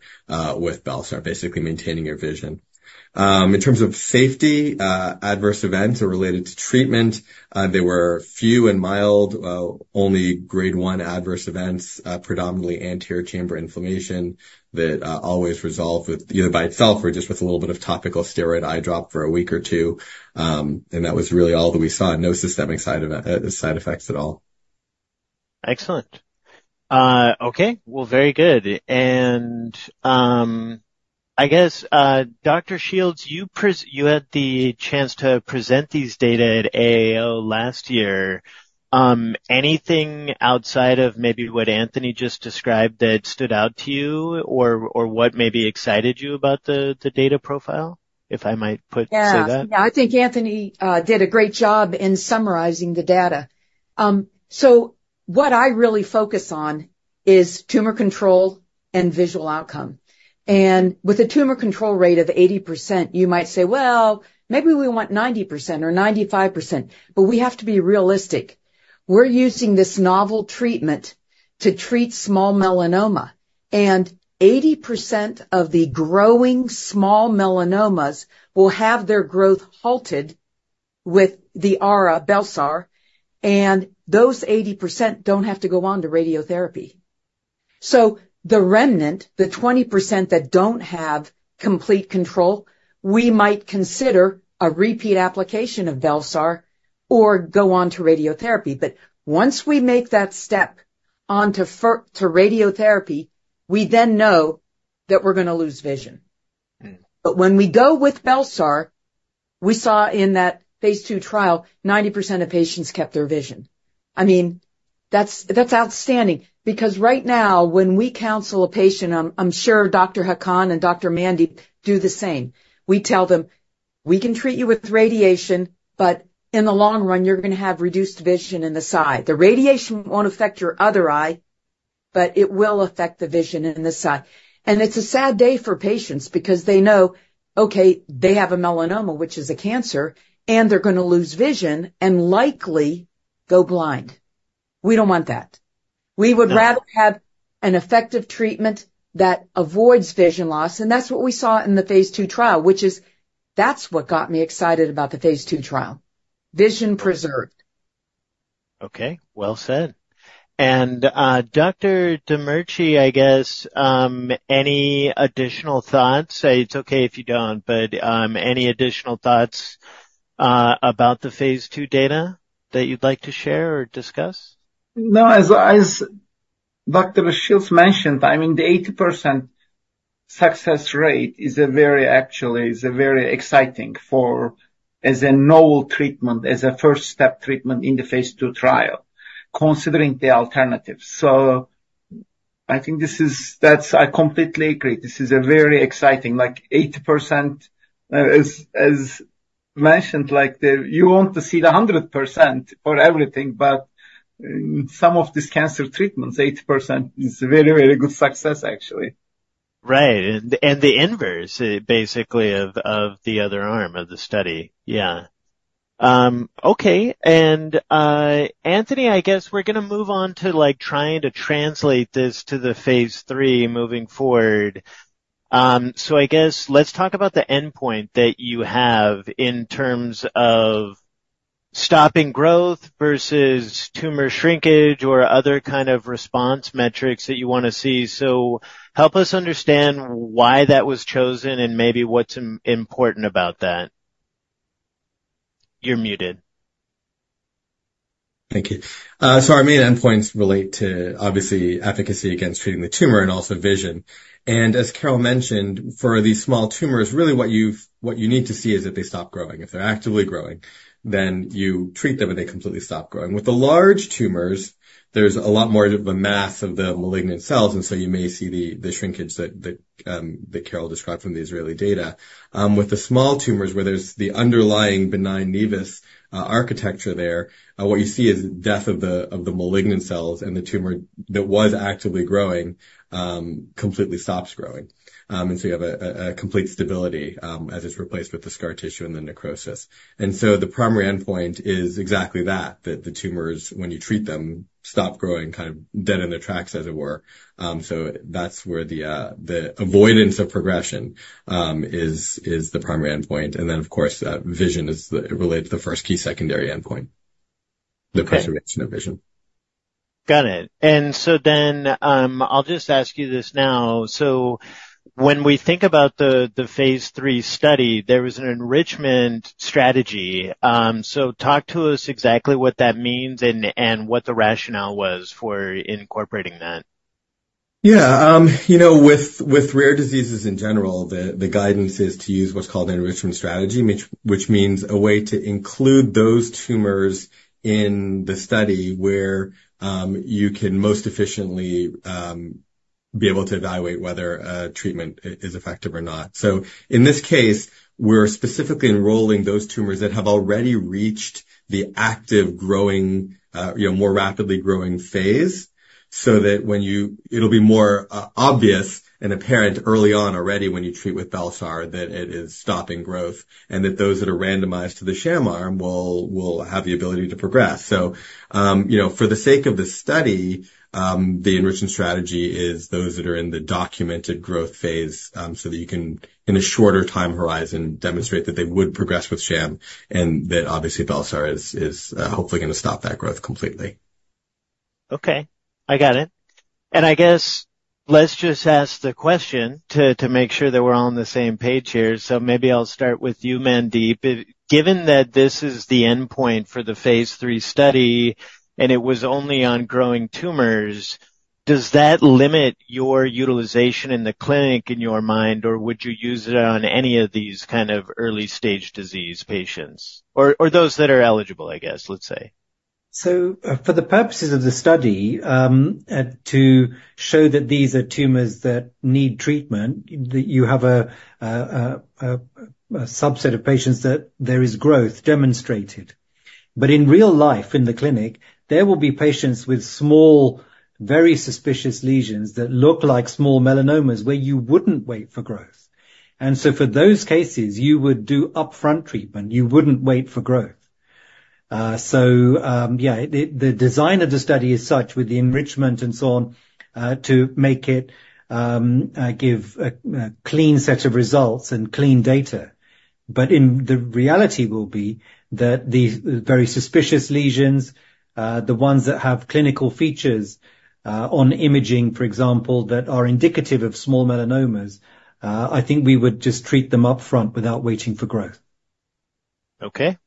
[SPEAKER 6] with Bel-sar, basically maintaining your vision. In terms of safety, adverse events or related to treatment, they were few and mild, only grade 1 adverse events, predominantly anterior chamber inflammation that always resolved with either by itself or just with a little bit of topical steroid eye drop for a week or two. And that was really all that we saw. No systemic side effects at all.
[SPEAKER 4] Excellent. Okay, well, very good. And, I guess, Dr. Shields, you had the chance to present these data at AAO last year. Anything outside of maybe what Anthony just described that stood out to you or what maybe excited you about the data profile? If I might put, say that.
[SPEAKER 3] Yeah. I think Anthony did a great job in summarizing the data. So what I really focus on is tumor control and visual outcome. And with a tumor control rate of 80%, you might say, "Well, maybe we want 90% or 95%," but we have to be realistic. We're using this novel treatment to treat small melanoma, and 80% of the growing small melanomas will have their growth halted with the Bel-sar, and those 80% don't have to go on to radiotherapy. So the remnant, the 20% that don't have complete control, we might consider a repeat application of Bel-sar or go on to radiotherapy. But once we make that step on to to radiotherapy, we then know that we're gonna lose vision.
[SPEAKER 4] Mm.
[SPEAKER 3] But when we go with Bel-sar, we saw in that phase two trial, 90% of patients kept their vision. I mean, that's, that's outstanding, because right now, when we counsel a patient, I'm, I'm sure Dr. Hakan and Dr. Mandeep do the same, we tell them, "We can treat you with radiation, but in the long run, you're gonna have reduced vision in this eye. The radiation won't affect your other eye, but it will affect the vision in this eye." And it's a sad day for patients because they know, okay, they have a melanoma, which is a cancer, and they're gonna lose vision and likely go blind. We don't want that.
[SPEAKER 4] No.
[SPEAKER 3] We would rather have an effective treatment that avoids vision loss, and that's what we saw in the phase 2 trial, which is... That's what got me excited about the phase 2 trial. Vision preserved.
[SPEAKER 4] Okay, well said. And, Dr. Demirci, I guess, any additional thoughts? It's okay if you don't, but, any additional thoughts about the phase two data that you'd like to share or discuss?
[SPEAKER 7] No, as, as Dr. Shields mentioned, I mean, the 80% success rate is a very—actually, is a very exciting for as a novel treatment, as a first step treatment in the phase 2 trial, considering the alternatives. So I think this is—that's—I completely agree, this is a very exciting, like 80%, as, as mentioned, like the... You want to see the 100% for everything, but in some of these cancer treatments, 80% is a very, very good success, actually.
[SPEAKER 4] Right. And the inverse, basically, of the other arm of the study. Yeah. Okay. And, Anthony, I guess we're gonna move on to, like, trying to translate this to the phase three moving forward. So I guess let's talk about the endpoint that you have in terms of stopping growth versus tumor shrinkage or other kind of response metrics that you wanna see. So help us understand why that was chosen and maybe what's important about that. You're muted.
[SPEAKER 6] Thank you. So our main endpoints relate to, obviously, efficacy against treating the tumor and also vision. And as Carol mentioned, for these small tumors, really what you need to see is that they stop growing. If they're actively growing, then you treat them, and they completely stop growing. With the large tumors, there's a lot more of a mass of the malignant cells, and so you may see the shrinkage that Carol described from the Israeli data. With the small tumors, where there's the underlying benign nevus architecture there, what you see is death of the malignant cells, and the tumor that was actively growing completely stops growing. And so you have a complete stability as it's replaced with the scar tissue and the necrosis. And so the primary endpoint is exactly that, that the tumors, when you treat them, stop growing, kind of dead in the tracks, as it were. So that's where the avoidance of progression is the primary endpoint. And then, of course, vision is related to the first key secondary endpoint, the preservation of vision.
[SPEAKER 4] Got it. So then, I'll just ask you this now. So when we think about the phase III study, there was an enrichment strategy. So talk to us exactly what that means and what the rationale was for incorporating that.
[SPEAKER 6] Yeah, you know, with rare diseases in general, the guidance is to use what's called an enrichment strategy, which means a way to include those tumors in the study where you can most efficiently be able to evaluate whether a treatment is effective or not. So, in this case, we're specifically enrolling those tumors that have already reached the active growing, you know, more rapidly growing phase, so that when you treat with Bel-sar, it'll be more obvious and apparent early on already when you treat with Bel-sar, that it is stopping growth, and that those that are randomized to the sham arm will have the ability to progress. So, you know, for the sake of the study, the enrichment strategy is those that are in the documented growth phase, so that you can, in a shorter time horizon, demonstrate that they would progress with sham, and that obviously, Bel-sar is, is, hopefully gonna stop that growth completely.
[SPEAKER 4] Okay, I got it. And I guess let's just ask the question to, to make sure that we're all on the same page here. So, maybe I'll start with you, Mandeep. Given that this is the endpoint for the phase III study, and it was only on growing tumors, does that limit your utilization in the clinic, in your mind, or would you use it on any of these kind of early-stage disease patients, or, or those that are eligible, I guess, let's say?
[SPEAKER 5] So, for the purposes of the study, to show that these are tumors that need treatment, that you have a subset of patients that there is growth demonstrated. But in real life, in the clinic, there will be patients with small, very suspicious lesions that look like small melanomas, where you wouldn't wait for growth. And so for those cases, you would do upfront treatment, you wouldn't wait for growth. So, the design of the study is such, with the enrichment and so on, to make it give a clean set of results and clean data. But in... The reality will be that these very suspicious lesions, the ones that have clinical features, on imaging, for example, that are indicative of small melanomas, I think we would just treat them upfront without waiting for growth.
[SPEAKER 4] Okay.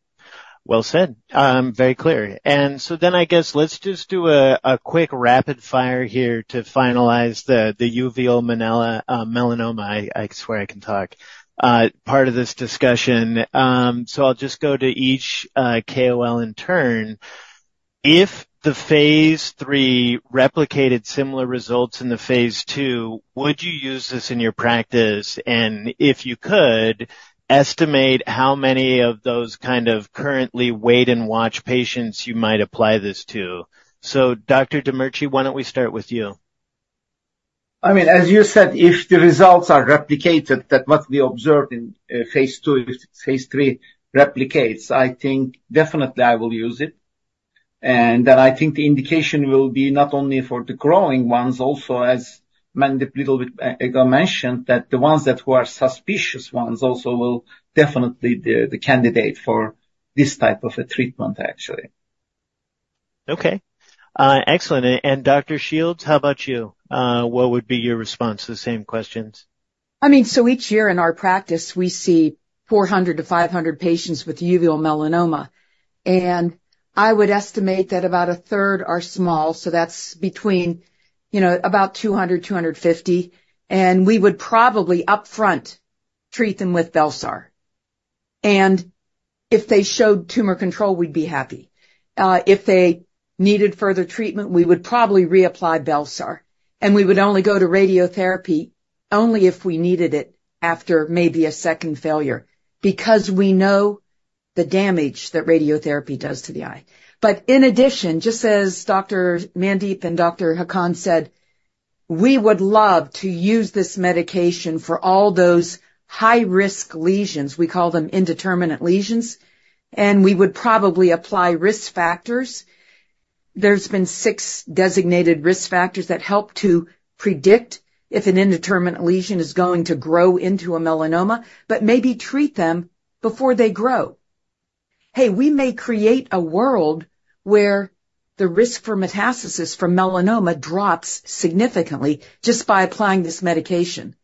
[SPEAKER 4] Well said. Very clear. And so then I guess let's just do a quick rapid fire here to finalize the uveal melanoma, melanoma, I swear I can talk, part of this discussion. So I'll just go to each KOL in turn. If the phase III replicated similar results in the phase II, would you use this in your practice? And if you could, estimate how many of those kind of currently wait-and-watch patients you might apply this to. So, Dr. Demirci, why don't we start with you?
[SPEAKER 7] I mean, as you said, if the results are replicated, that what we observed in, phase II, if phase III replicates, I think definitely I will use it. And then I think the indication will be not only for the growing ones, also, as Mandeep little bit ago mentioned, that the ones that who are suspicious ones also will definitely be the candidate for this type of a treatment, actually.
[SPEAKER 4] Okay. Excellent. And Dr. Shields, how about you? What would be your response to the same questions?
[SPEAKER 3] I mean, so each year in our practice, we see 400-500 patients with uveal melanoma, and I would estimate that about a third are small, so that's between, you know, about 200-250, and we would probably upfront treat them with Bel-sar. And if they showed tumor control, we'd be happy. If they needed further treatment, we would probably reapply Bel-sar, and we would only go to radiotherapy only if we needed it after maybe a second failure, because we know the damage that radiotherapy does to the eye. But in addition, just as Dr. Mandeep and Dr. Hakan said, we would love to use this medication for all those high-risk lesions. We call them indeterminate lesions, and we would probably apply risk factors. There's been 6 designated risk factors that help to predict if an indeterminate lesion is going to grow into a melanoma, but maybe treat them before they grow. Hey, we may create a world where the risk for metastasis from melanoma drops significantly just by applying this medication.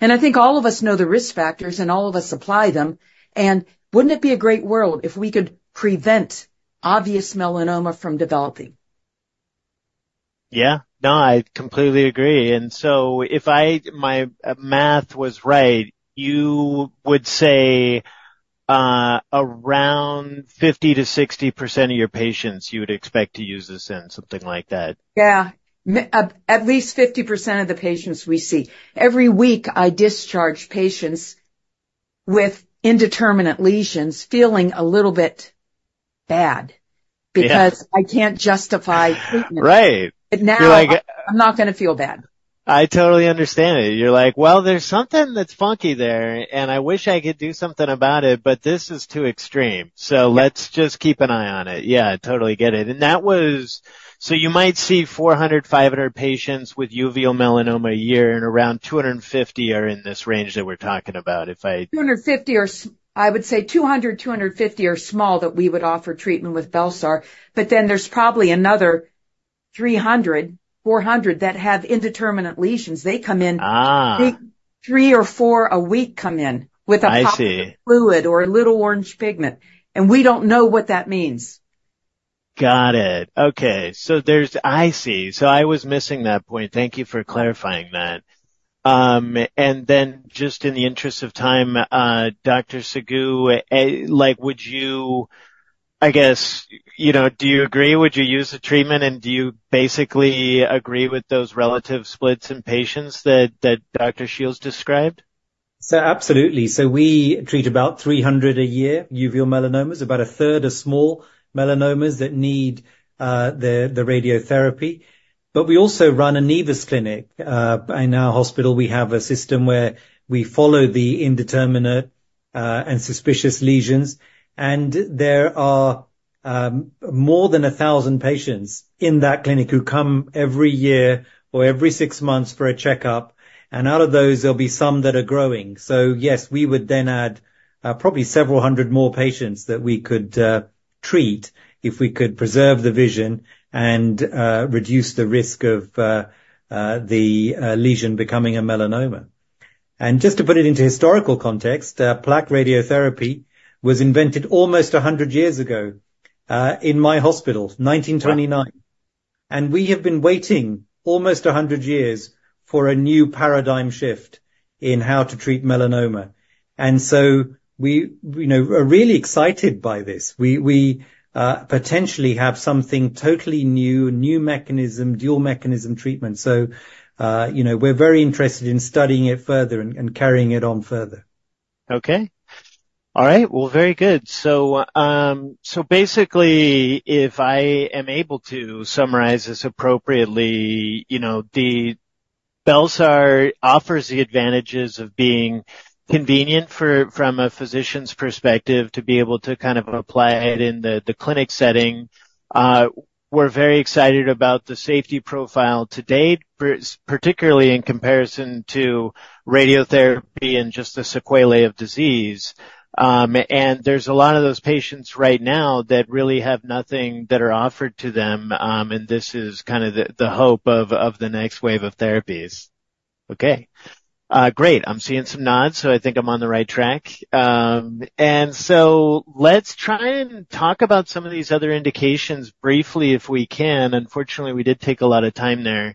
[SPEAKER 3] And I think all of us know the risk factors and all of us apply them. And wouldn't it be a great world if we could prevent obvious melanoma from developing?
[SPEAKER 4] Yeah. No, I completely agree. And so if my math was right, you would say, around 50%-60% of your patients, you would expect to use this in, something like that.
[SPEAKER 3] Yeah. At least 50% of the patients we see. Every week, I discharge patients with indeterminate lesions, feeling a little bit bad-
[SPEAKER 4] Yeah...
[SPEAKER 3] because I can't justify treatment.
[SPEAKER 4] Right.
[SPEAKER 3] But now-
[SPEAKER 4] You're like-
[SPEAKER 3] I'm not gonna feel bad.
[SPEAKER 4] I totally understand it. You're like: Well, there's something that's funky there, and I wish I could do something about it, but this is too extreme, so let's just keep an eye on it. Yeah, I totally get it. And that was... So you might see 400, 500 patients with uveal melanoma a year, and around 250 are in this range that we're talking about, if I-
[SPEAKER 3] 250 or so—I would say 200-250 are small that we would offer treatment with Bel-sar, but then there's probably another 300-400 that have indeterminate lesions. They come in-
[SPEAKER 4] Ah.
[SPEAKER 3] 3 or 4 a week come in with a-
[SPEAKER 4] I see.
[SPEAKER 3] Fluid or a little orange pigment, and we don't know what that means.
[SPEAKER 4] Got it. Okay, so there's-- I see. So, I was missing that point. Thank you for clarifying that. And then just in the interest of time, Dr. Sagoo, like, would you-- I guess, you know, do you agree? Would you use the treatment, and do you basically agree with those relative splits in patients that, that Dr. Shields described?
[SPEAKER 5] So absolutely. So, we treat about 300 a year, uveal melanomas, about a third of small melanomas that need the radiotherapy. But we also run a nevus clinic. In our hospital, we have a system where we follow the indeterminate and suspicious lesions, and there are more than 1,000 patients in that clinic who come every year or every six months for a checkup, and out of those, there'll be some that are growing. So yes, we would then add probably several hundred more patients that we could treat if we could preserve the vision and reduce the risk of the lesion becoming a melanoma. And just to put it into historical context, plaque radiotherapy was invented almost 100 years ago in my hospital, 1929. We have been waiting almost 100 years for a new paradigm shift in how to treat melanoma. So we, you know, are really excited by this. We potentially have something totally new, a new mechanism, dual mechanism treatment. So, you know, we're very interested in studying it further and carrying it on further.
[SPEAKER 4] Okay. All right. Well, very good. So, so basically, if I am able to summarize this appropriately, you know, the Bel-sar offers the advantages of being convenient for—from a physician's perspective, to be able to kind of apply it in the clinic setting. We're very excited about the safety profile to date, particularly in comparison to radiotherapy and just the sequelae of disease. And there's a lot of those patients right now that really have nothing that are offered to them, and this is kind of the hope of the next wave of therapies. Okay. Great. I'm seeing some nods, so I think I'm on the right track. And so let's try and talk about some of these other indications briefly, if we can. Unfortunately, we did take a lot of time there.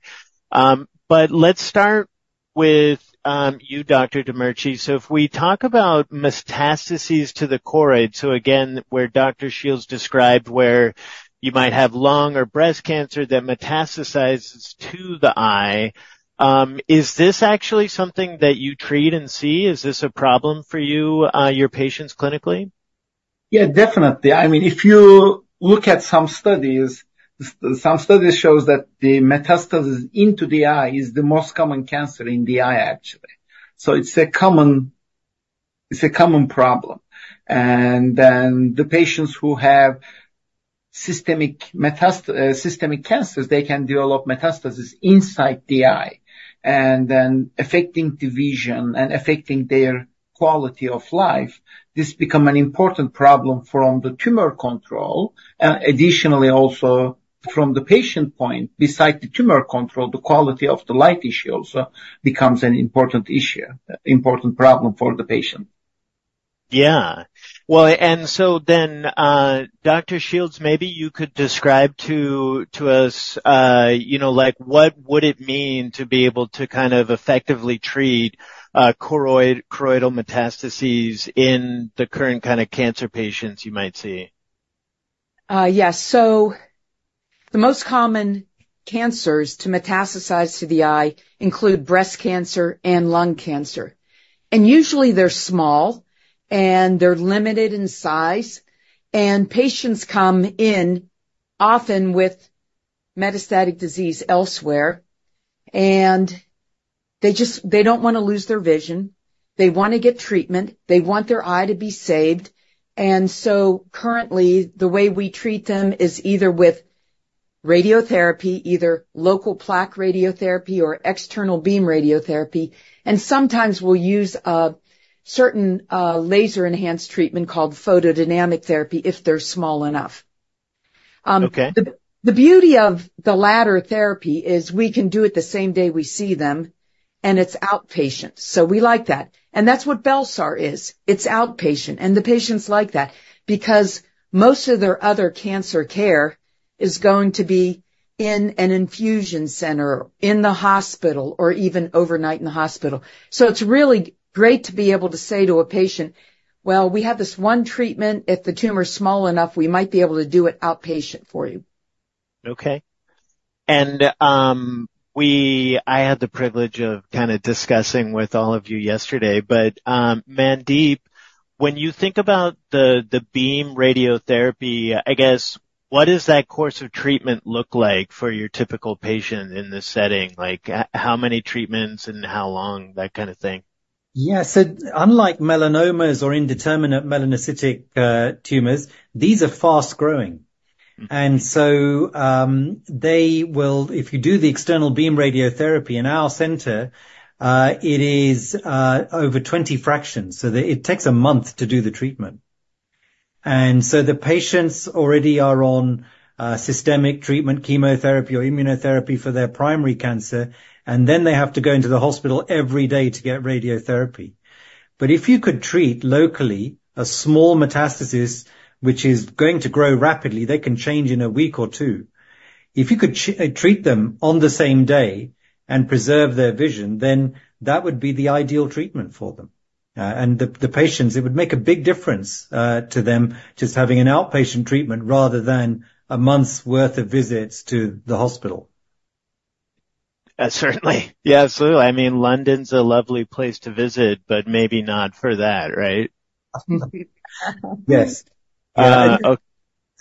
[SPEAKER 4] But let's start with you, Dr. Demirci. So, if we talk about metastases to the choroid, so again, where Dr. Shields described where you might have lung or breast cancer that metastasizes to the eye, is this actually something that you treat and see? Is this a problem for you, your patients clinically?
[SPEAKER 7] Yeah, definitely. I mean, if you look at some studies, some studies shows that the metastasis into the eye is the most common cancer in the eye, actually. So it's a common, it's a common problem. And then, the patients who have systemic cancers, they can develop metastasis inside the eye, and then affecting the vision and affecting their quality of life. This become an important problem from the tumor control, and additionally also, from the patient point, besides the tumor control, the quality of the life issue also becomes an important issue, important problem for the patient.
[SPEAKER 4] Yeah. Well, and so then, Dr. Shields, maybe you could describe to us, you know, like, what would it mean to be able to kind of effectively treat choroidal metastases in the current kind of cancer patients you might see?
[SPEAKER 3] Yes. So the most common cancers to metastasize to the eye include breast cancer and lung cancer. And usually, they're small, and they're limited in size, and patients come in often with metastatic disease elsewhere, and they just, they don't wanna lose their vision. They wanna get treatment. They want their eye to be saved. And so currently, the way we treat them is either with radiotherapy, either local plaque radiotherapy or external beam radiotherapy. And sometimes we'll use a certain laser-enhanced treatment called photodynamic therapy, if they're small enough.
[SPEAKER 4] Okay.
[SPEAKER 3] The beauty of the latter therapy is we can do it the same day we see them, and it's outpatient, so we like that. And that's what Bel-sar is. It's outpatient, and the patients like that because most of their other cancer care is going to be in an infusion center, in the hospital or even overnight in the hospital. So it's really great to be able to say to a patient, "Well, we have this one treatment. If the tumor is small enough, we might be able to do it outpatient for you.
[SPEAKER 4] Okay. And, I had the privilege of kinda discussing with all of you yesterday, but, Mandeep, when you think about the brachytherapy, I guess, what does that course of treatment look like for your typical patient in this setting? Like, how many treatments and how long? That kind of thing.
[SPEAKER 5] Yeah. So unlike melanomas or indeterminate melanocytic tumors, these are fast-growing.
[SPEAKER 4] Mm-hmm.
[SPEAKER 5] And so, if you do the external beam radiotherapy in our center, it is over 20 fractions, so it takes a month to do the treatment. And so the patients already are on systemic treatment, chemotherapy or immunotherapy for their primary cancer, and then they have to go into the hospital every day to get radiotherapy. But if you could treat locally a small metastasis, which is going to grow rapidly, they can change in a week or two. If you could treat them on the same day and preserve their vision, then that would be the ideal treatment for them. And the patients, it would make a big difference to them, just having an outpatient treatment rather than a month's worth of visits to the hospital.
[SPEAKER 4] Certainly. Yeah, absolutely. I mean, London's a lovely place to visit, but maybe not for that, right?
[SPEAKER 5] Yes.
[SPEAKER 4] Uh-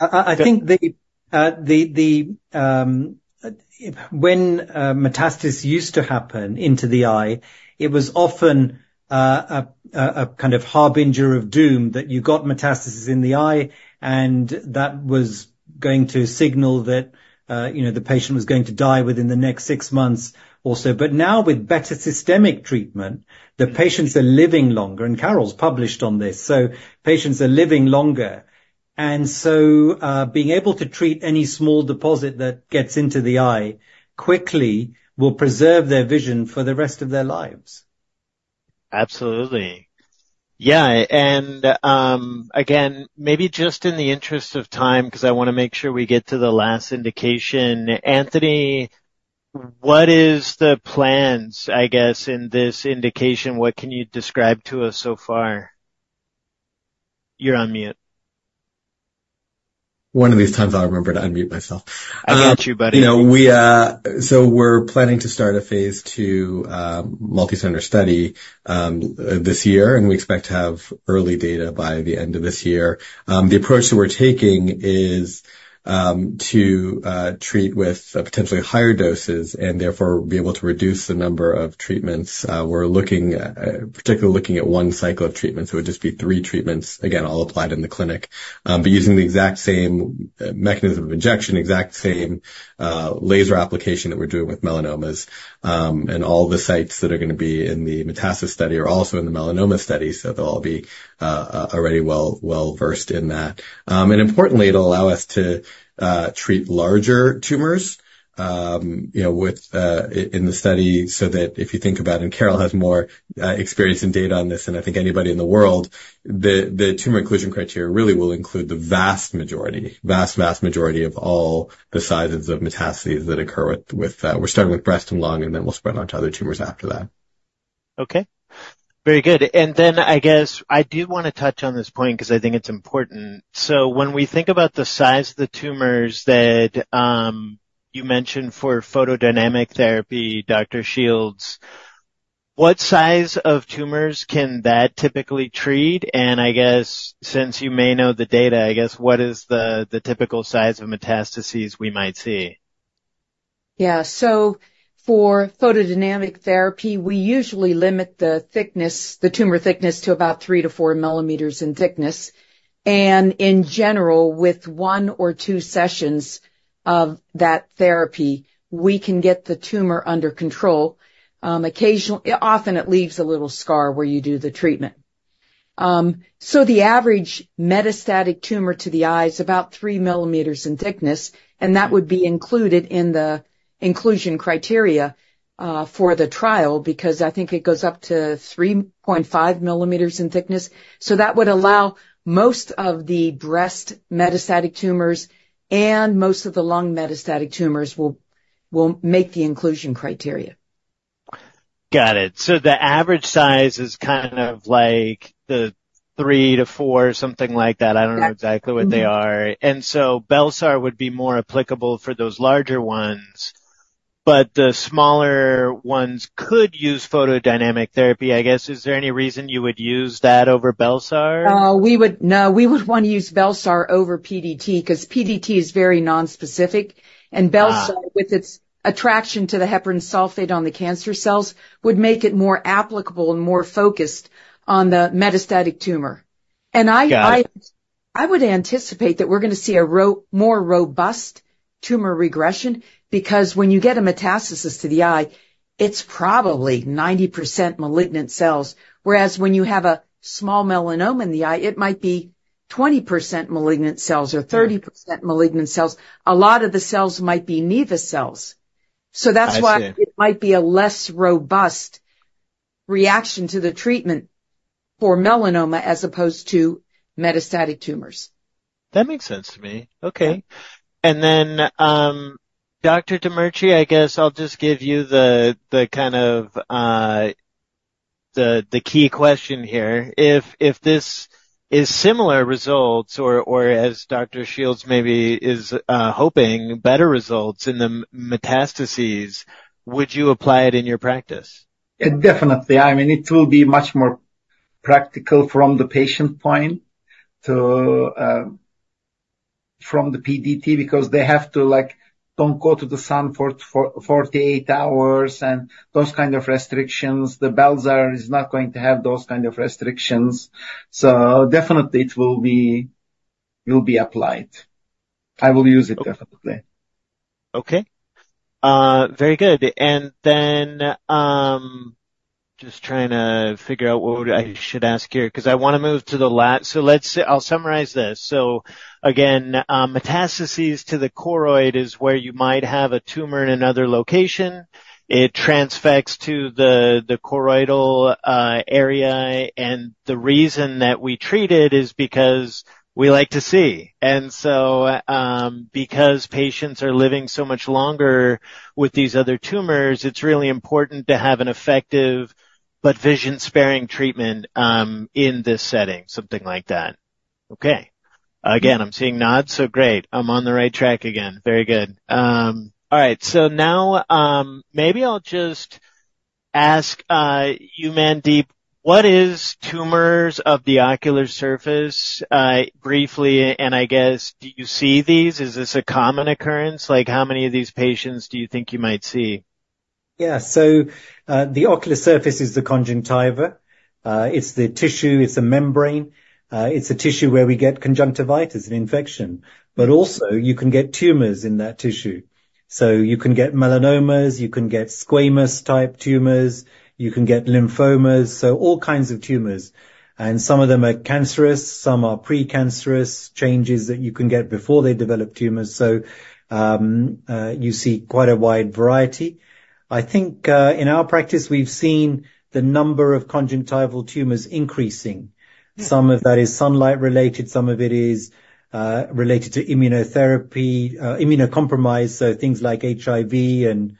[SPEAKER 5] I think that when metastasis used to happen into the eye, it was often a kind of harbinger of doom, that you got metastasis in the eye, and that was going to signal that, you know, the patient was going to die within the next six months or so. But now, with better systemic treatment, the patients are living longer, and Carol's published on this. So patients are living longer. And so, being able to treat any small deposit that gets into the eye quickly will preserve their vision for the rest of their lives.
[SPEAKER 4] Absolutely. Yeah, and again, maybe just in the interest of time, 'cause I wanna make sure we get to the last indication. Anthony, what is the plans, I guess, in this indication? What can you describe to us so far? You're on mute.
[SPEAKER 6] One of these times, I'll remember to unmute myself.
[SPEAKER 4] I got you, buddy.
[SPEAKER 6] You know, we're planning to start a phase 2 multicenter study this year, and we expect to have early data by the end of this year. The approach that we're taking is to treat with potentially higher doses and therefore be able to reduce the number of treatments. We're looking particularly looking at 1 cycle of treatment, so it would just be 3 treatments, again, all applied in the clinic, but using the exact same mechanism of injection, exact same laser application that we're doing with melanomas. And all the sites that are gonna be in the metastasis study are also in the melanoma study, so they'll all be already well, well-versed in that. And importantly, it'll allow us to treat larger tumors, you know, with in the study, so that if you think about it, and Carol has more experience and data on this than I think anybody in the world, the tumor inclusion criteria really will include the vast majority, vast, vast majority of all the sizes of metastases that occur with we're starting with breast and lung, and then we'll spread on to other tumors after that.
[SPEAKER 4] Okay. Very good. And then, I guess, I do wanna touch on this point because I think it's important. So, when we think about the size of the tumors that you mentioned for photodynamic therapy, Dr. Shields, what size of tumors can that typically treat? And I guess, since you may know the data, I guess, what is the typical size of metastases we might see?
[SPEAKER 3] Yeah. So for photodynamic therapy, we usually limit the thickness, the tumor thickness, to about 3-4 millimeters in thickness. And in general, with 1 or 2 sessions of that therapy, we can get the tumor under control. Often, it leaves a little scar where you do the treatment. So the average metastatic tumor to the eye is about 3 millimeters in thickness, and that would be included in the inclusion criteria for the trial, because I think it goes up to 3.5 millimeters in thickness. So that would allow most of the breast metastatic tumors, and most of the lung metastatic tumors will make the inclusion criteria.
[SPEAKER 4] Got it. So, the average size is kind of like 3 to 4, something like that.
[SPEAKER 3] Yeah.
[SPEAKER 4] I don't know exactly what they are. So, Bel-sar would be more applicable for those larger ones, but the smaller ones could use photodynamic therapy, I guess. Is there any reason you would use that over Bel-sar?
[SPEAKER 3] We would wanna use Bel-sar over PDT, 'cause PDT is very nonspecific, and-
[SPEAKER 4] Ah...
[SPEAKER 3] Bel-sar, with its attraction to the heparan sulfate on the cancer cells, would make it more applicable and more focused on the metastatic tumor.
[SPEAKER 4] Got it.
[SPEAKER 3] I would anticipate that we're gonna see a more robust tumor regression, because when you get a metastasis to the eye, it's probably 90% malignant cells, whereas when you have a small melanoma in the eye, it might be 20% malignant cells or-
[SPEAKER 4] Yeah...
[SPEAKER 3] 30% malignant cells. A lot of the cells might be nevus cells.
[SPEAKER 4] I see.
[SPEAKER 3] That's why it might be a less robust reaction to the treatment for melanoma as opposed to metastatic tumors.
[SPEAKER 4] That makes sense to me. Okay.
[SPEAKER 3] Yeah.
[SPEAKER 4] And then, Dr. Demirci, I guess I'll just give you the key question here. If this is similar results or as Dr. Shields maybe is hoping, better results in the metastases, would you apply it in your practice?
[SPEAKER 7] Definitely. I mean, it will be much more practical from the patient point to, from the PDT, because they have to, like, don't go to the sun for 48 hours, and those kind of restrictions. The Bel-sar is not going to have those kind of restrictions. So definitely it will be. It will be applied. I will use it, definitely....
[SPEAKER 4] Okay. Very good. And then, just trying to figure out what would-- I should ask here, 'cause I want to move to the last-- So let's say... I'll summarize this. So again, metastases to the choroid is where you might have a tumor in another location. It transfects to the choroidal area, and the reason that we treat it is because we like to see. And so, because patients are living so much longer with these other tumors, it's really important to have an effective but vision-sparing treatment in this setting. Something like that. Okay. Again, I'm seeing nods, so great. I'm on the right track again. Very good. All right, so now, maybe I'll just ask you, Mandeep, what is tumors of the ocular surface? Briefly, and I guess, do you see these? Is this a common occurrence? Like, how many of these patients do you think you might see?
[SPEAKER 5] Yeah. So, the ocular surface is the conjunctiva. It's the tissue, it's a membrane. It's a tissue where we get conjunctivitis and infection, but also you can get tumors in that tissue. So you can get melanomas, you can get squamous-type tumors, you can get lymphomas, so all kinds of tumors. And some of them are cancerous, some are pre-cancerous, changes that you can get before they develop tumors. So, you see quite a wide variety. I think, in our practice, we've seen the number of conjunctival tumors increasing. Some of that is sunlight related, some of it is, related to immunotherapy, immunocompromise, so things like HIV and,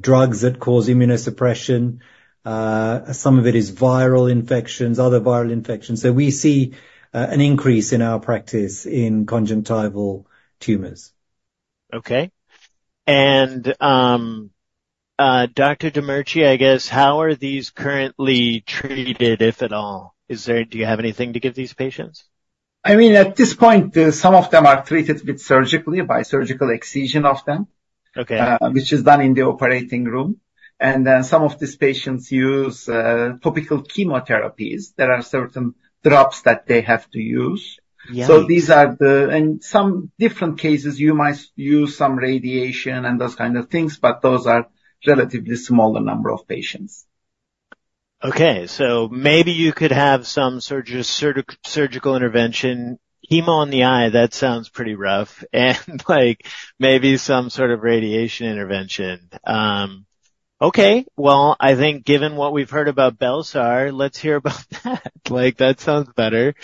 [SPEAKER 5] drugs that cause immunosuppression. Some of it is viral infections, other viral infections. So we see, an increase in our practice in conjunctival tumors.
[SPEAKER 4] Okay. Dr. Demirci, I guess, how are these currently treated, if at all? Is there-- Do you have anything to give these patients?
[SPEAKER 7] I mean, at this point, some of them are treated with surgically, by surgical excision of them-
[SPEAKER 4] Okay.
[SPEAKER 7] - which is done in the operating room. And then some of these patients use topical chemotherapies. There are certain drops that they have to use.
[SPEAKER 4] Yeah.
[SPEAKER 7] These are the... in some different cases, you might use some radiation and those kind of things, but those are relatively smaller number of patients.
[SPEAKER 4] Okay, so maybe you could have some surgical intervention. Chemo in the eye, that sounds pretty rough, and, like, maybe some sort of radiation intervention. Okay, well, I think given what we've heard about Bel-sar, let's hear about that. Like, that sounds better.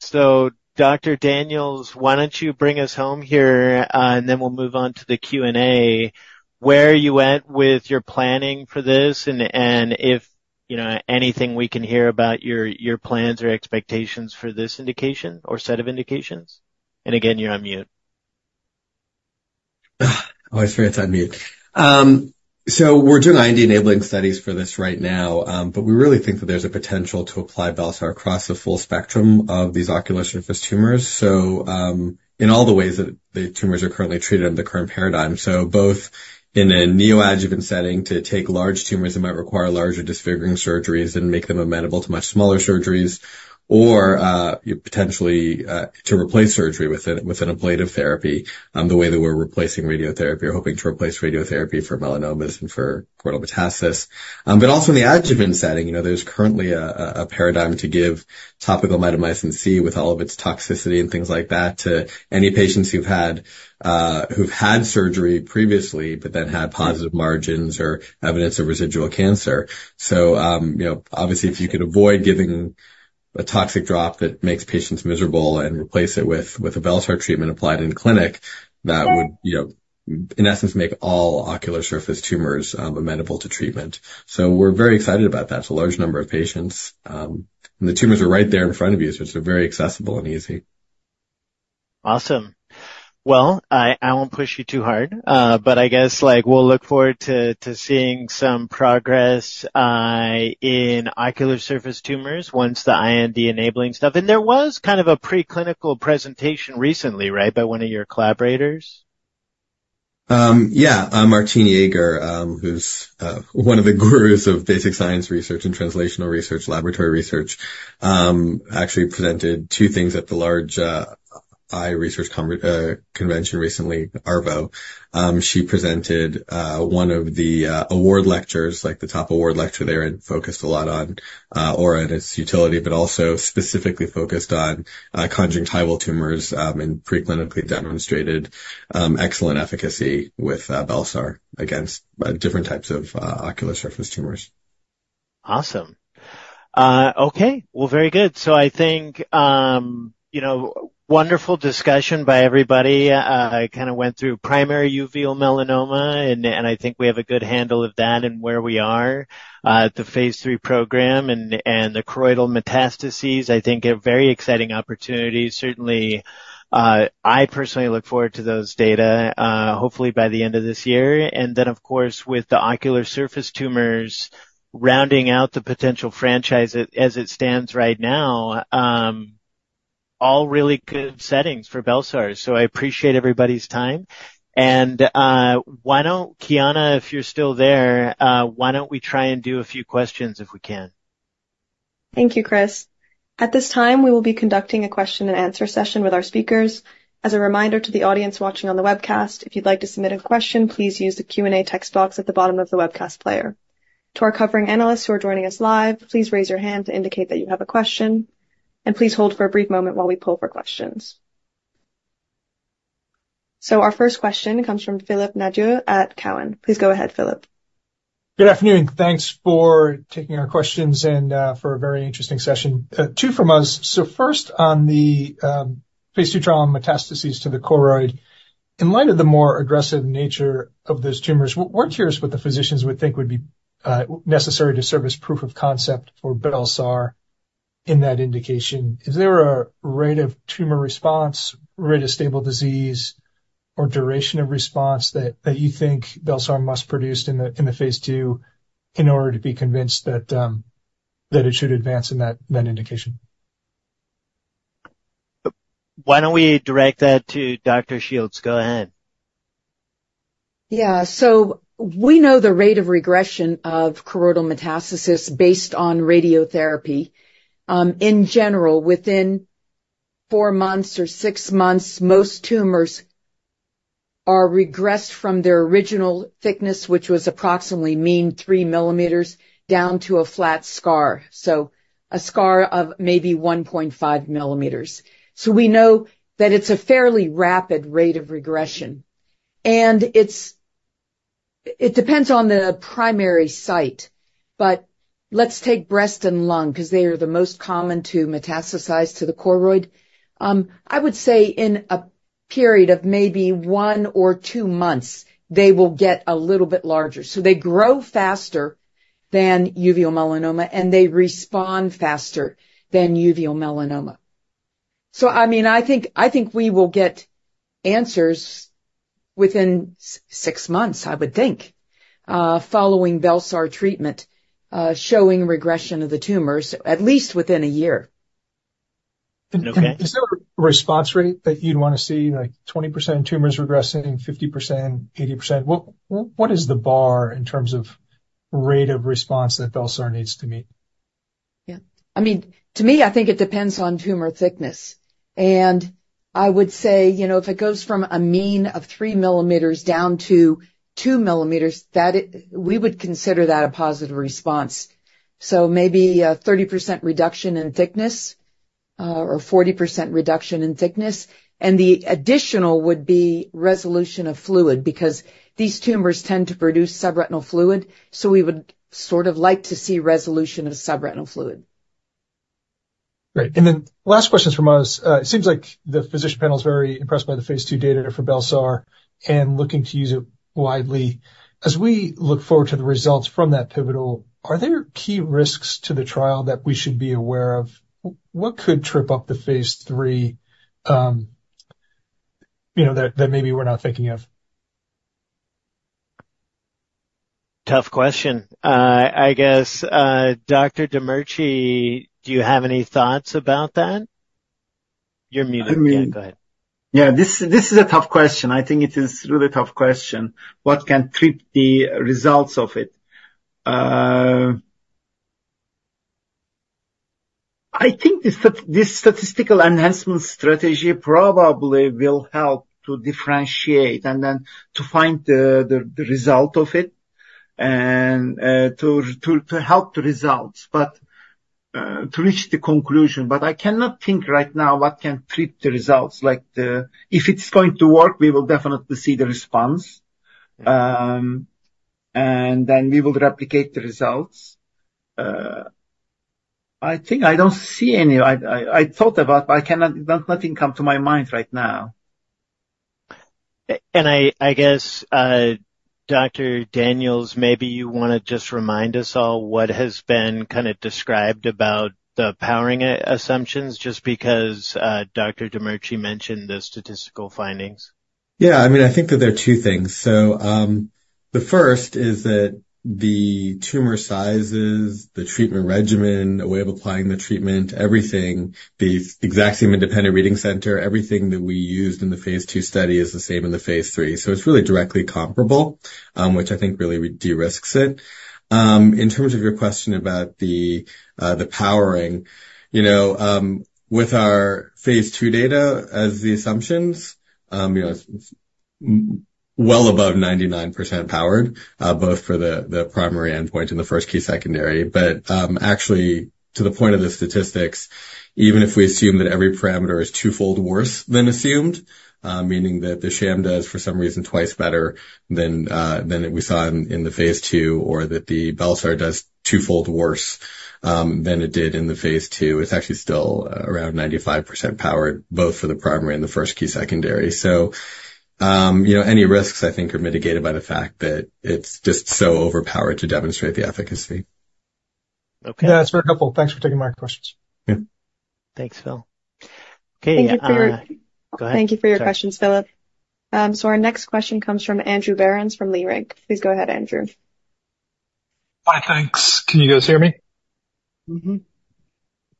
[SPEAKER 4] So Dr. Daniels, why don't you bring us home here, and then we'll move on to the Q&A. Where are you at with your planning for this? And if you know anything we can hear about your plans or expectations for this indication or set of indications. And again, you're on mute.
[SPEAKER 6] I always forget to unmute. So we're doing IND-enabling studies for this right now, but we really think that there's a potential to apply Bel-sar across the full spectrum of these ocular surface tumors. So, in all the ways that the tumors are currently treated under the current paradigm, so both in a neoadjuvant setting, to take large tumors that might require larger disfiguring surgeries and make them amenable to much smaller surgeries, or, potentially, to replace surgery with an ablative therapy, the way that we're replacing radiotherapy or hoping to replace radiotherapy for melanomas and for choroidal metastasis. But also in the adjuvant setting, you know, there's currently a paradigm to give topical mitomycin C, with all of its toxicity and things like that, to any patients who've had surgery previously but then had positive margins or evidence of residual cancer. So, you know, obviously, if you could avoid giving a toxic drop that makes patients miserable and replace it with a Bel-sar treatment applied in the clinic, that would, you know, in essence, make all ocular surface tumors amenable to treatment. So we're very excited about that. It's a large number of patients, and the tumors are right there in front of you, so it's very accessible and easy.
[SPEAKER 4] Awesome. Well, I won't push you too hard, but I guess, like, we'll look forward to seeing some progress in ocular surface tumors once the IND-enabling stuff... And there was kind of a preclinical presentation recently, right, by one of your collaborators?
[SPEAKER 6] Yeah. Martine Jager, who's one of the gurus of basic science research and translational research, laboratory research, actually presented two things at the large eye research convention recently, ARVO. She presented one of the award lectures, like, the top award lecture there, and focused a lot on Aura and its utility, but also specifically focused on conjunctival tumors, and preclinically demonstrated excellent efficacy with Bel-sar against different types of ocular surface tumors.
[SPEAKER 4] Awesome. Okay. Well, very good. So I think, you know, wonderful discussion by everybody. I kind of went through primary uveal melanoma, and I think we have a good handle of that and where we are at the phase 3 program and the choroidal metastases, I think a very exciting opportunity. Certainly, I personally look forward to those data, hopefully by the end of this year. And then, of course, with the ocular surface tumors rounding out the potential franchise as it stands right now, all really good settings for Bel-sar. So, I appreciate everybody's time, and why don't... Kiana, if you're still there, why don't we try and do a few questions if we can?
[SPEAKER 1] Thank you, Chris. At this time, we will be conducting a question and answer session with our speakers. As a reminder to the audience watching on the webcast, if you'd like to submit a question, please use the Q&A text box at the bottom of the webcast player. To our covering analysts who are joining us live, please raise your hand to indicate that you have a question, and please hold for a brief moment while we pull for questions. Our first question comes from Phil Nadeau at Cowen. Please go ahead, Phil.
[SPEAKER 8] Good afternoon. Thanks for taking our questions and for a very interesting session. Two from us. So first on the phase 2 trial metastases to the choroid. In light of the more aggressive nature of those tumors, we're curious what the physicians would think would be necessary to serve as proof of concept for Bel-sar in that indication. Is there a rate of tumor response, rate of stable disease, or duration of response that you think Bel-sar must produce in the phase 2 in order to be convinced that it should advance in that indication?
[SPEAKER 4] Why don't we direct that to Dr. Shields? Go ahead.
[SPEAKER 3] Yeah. So we know the rate of regression of choroidal metastasis based on radiotherapy. In general, within 4 months or 6 months, most tumors are regressed from their original thickness, which was approximately mean 3 millimeters, down to a flat scar, so a scar of maybe 1.5 millimeters. So we know that it's a fairly rapid rate of regression, and it depends on the primary site, but let's take breast and lung, 'cause they are the most common to metastasize to the choroid. I would say in a period of maybe 1 or 2 months, they will get a little bit larger. So they grow faster than uveal melanoma, and they respond faster than uveal melanoma. I mean, I think, I think we will get answers within six months, I would think, following Bel-sar treatment, showing regression of the tumors, at least within a year.
[SPEAKER 4] Okay.
[SPEAKER 8] Is there a response rate that you'd want to see, like 20% tumors regressing, 50%, 80%? What, what, what is the bar in terms of rate of response that Bel-sar needs to meet?
[SPEAKER 3] Yeah. I mean, to me, I think it depends on tumor thickness. And I would say, you know, if it goes from a mean of 3 millimeters down to 2 millimeters, that we would consider that a positive response. So maybe a 30% reduction in thickness, or 40% reduction in thickness, and the additional would be resolution of fluid, because these tumors tend to produce subretinal fluid, so we would sort of like to see resolution of subretinal fluid.
[SPEAKER 8] Great. And then last question from us. It seems like the physician panel is very impressed by the phase 2 data for Bel-sar and looking to use it widely. As we look forward to the results from that pivotal, are there key risks to the trial that we should be aware of? What could trip up the phase 3, you know, that, that maybe we're not thinking of?
[SPEAKER 4] Tough question. I guess, Dr. Demirci, do you have any thoughts about that? You're muted. Yeah, go ahead.
[SPEAKER 7] Yeah, this is a tough question. I think it is really tough question. What can trip the results of it? I think the statistical enhancement strategy probably will help to differentiate and then to find the result of it and to help the results. But to reach the conclusion, but I cannot think right now what can trip the results. Like, the... If it's going to work, we will definitely see the response. And then we will replicate the results. I think I don't see any. I thought about, but I cannot, nothing come to my mind right now.
[SPEAKER 4] And I, I guess, Dr. Daniels, maybe you wanna just remind us all what has been kind of described about the powering assumptions, just because, Dr. Demirci mentioned the statistical findings.
[SPEAKER 6] Yeah. I mean, I think that there are two things. So, the first is that the tumor sizes, the treatment regimen, the way of applying the treatment, everything, the exact same independent reading center, everything that we used in the phase 2 study is the same in the phase 3. So it's really directly comparable, which I think really de-risks it. In terms of your question about the, the powering, you know, with our phase 2 data as the assumptions, you know, it's, well above 99% powered, both for the, the primary endpoint and the first key secondary. Actually, to the point of the statistics, even if we assume that every parameter is twofold worse than assumed, meaning that the sham does, for some reason, twice better than we saw in the phase 2, or that the Bel-sar does twofold worse than it did in the phase 2, it's actually still around 95% powered, both for the primary and the first key secondary. So, you know, any risks, I think, are mitigated by the fact that it's just so overpowered to demonstrate the efficacy.
[SPEAKER 4] Okay.
[SPEAKER 8] Yeah, it's very helpful. Thanks for taking my questions.
[SPEAKER 6] Yeah.
[SPEAKER 4] Thanks, Phil. Okay,
[SPEAKER 6] Thank you for-
[SPEAKER 4] Go ahead, sorry.
[SPEAKER 6] Thank you for your questions, Phil. So our next question comes from Andrew Berens, from Leerink. Please go ahead, Andrew.
[SPEAKER 9] Hi. Thanks. Can you guys hear me?
[SPEAKER 6] Mm-hmm.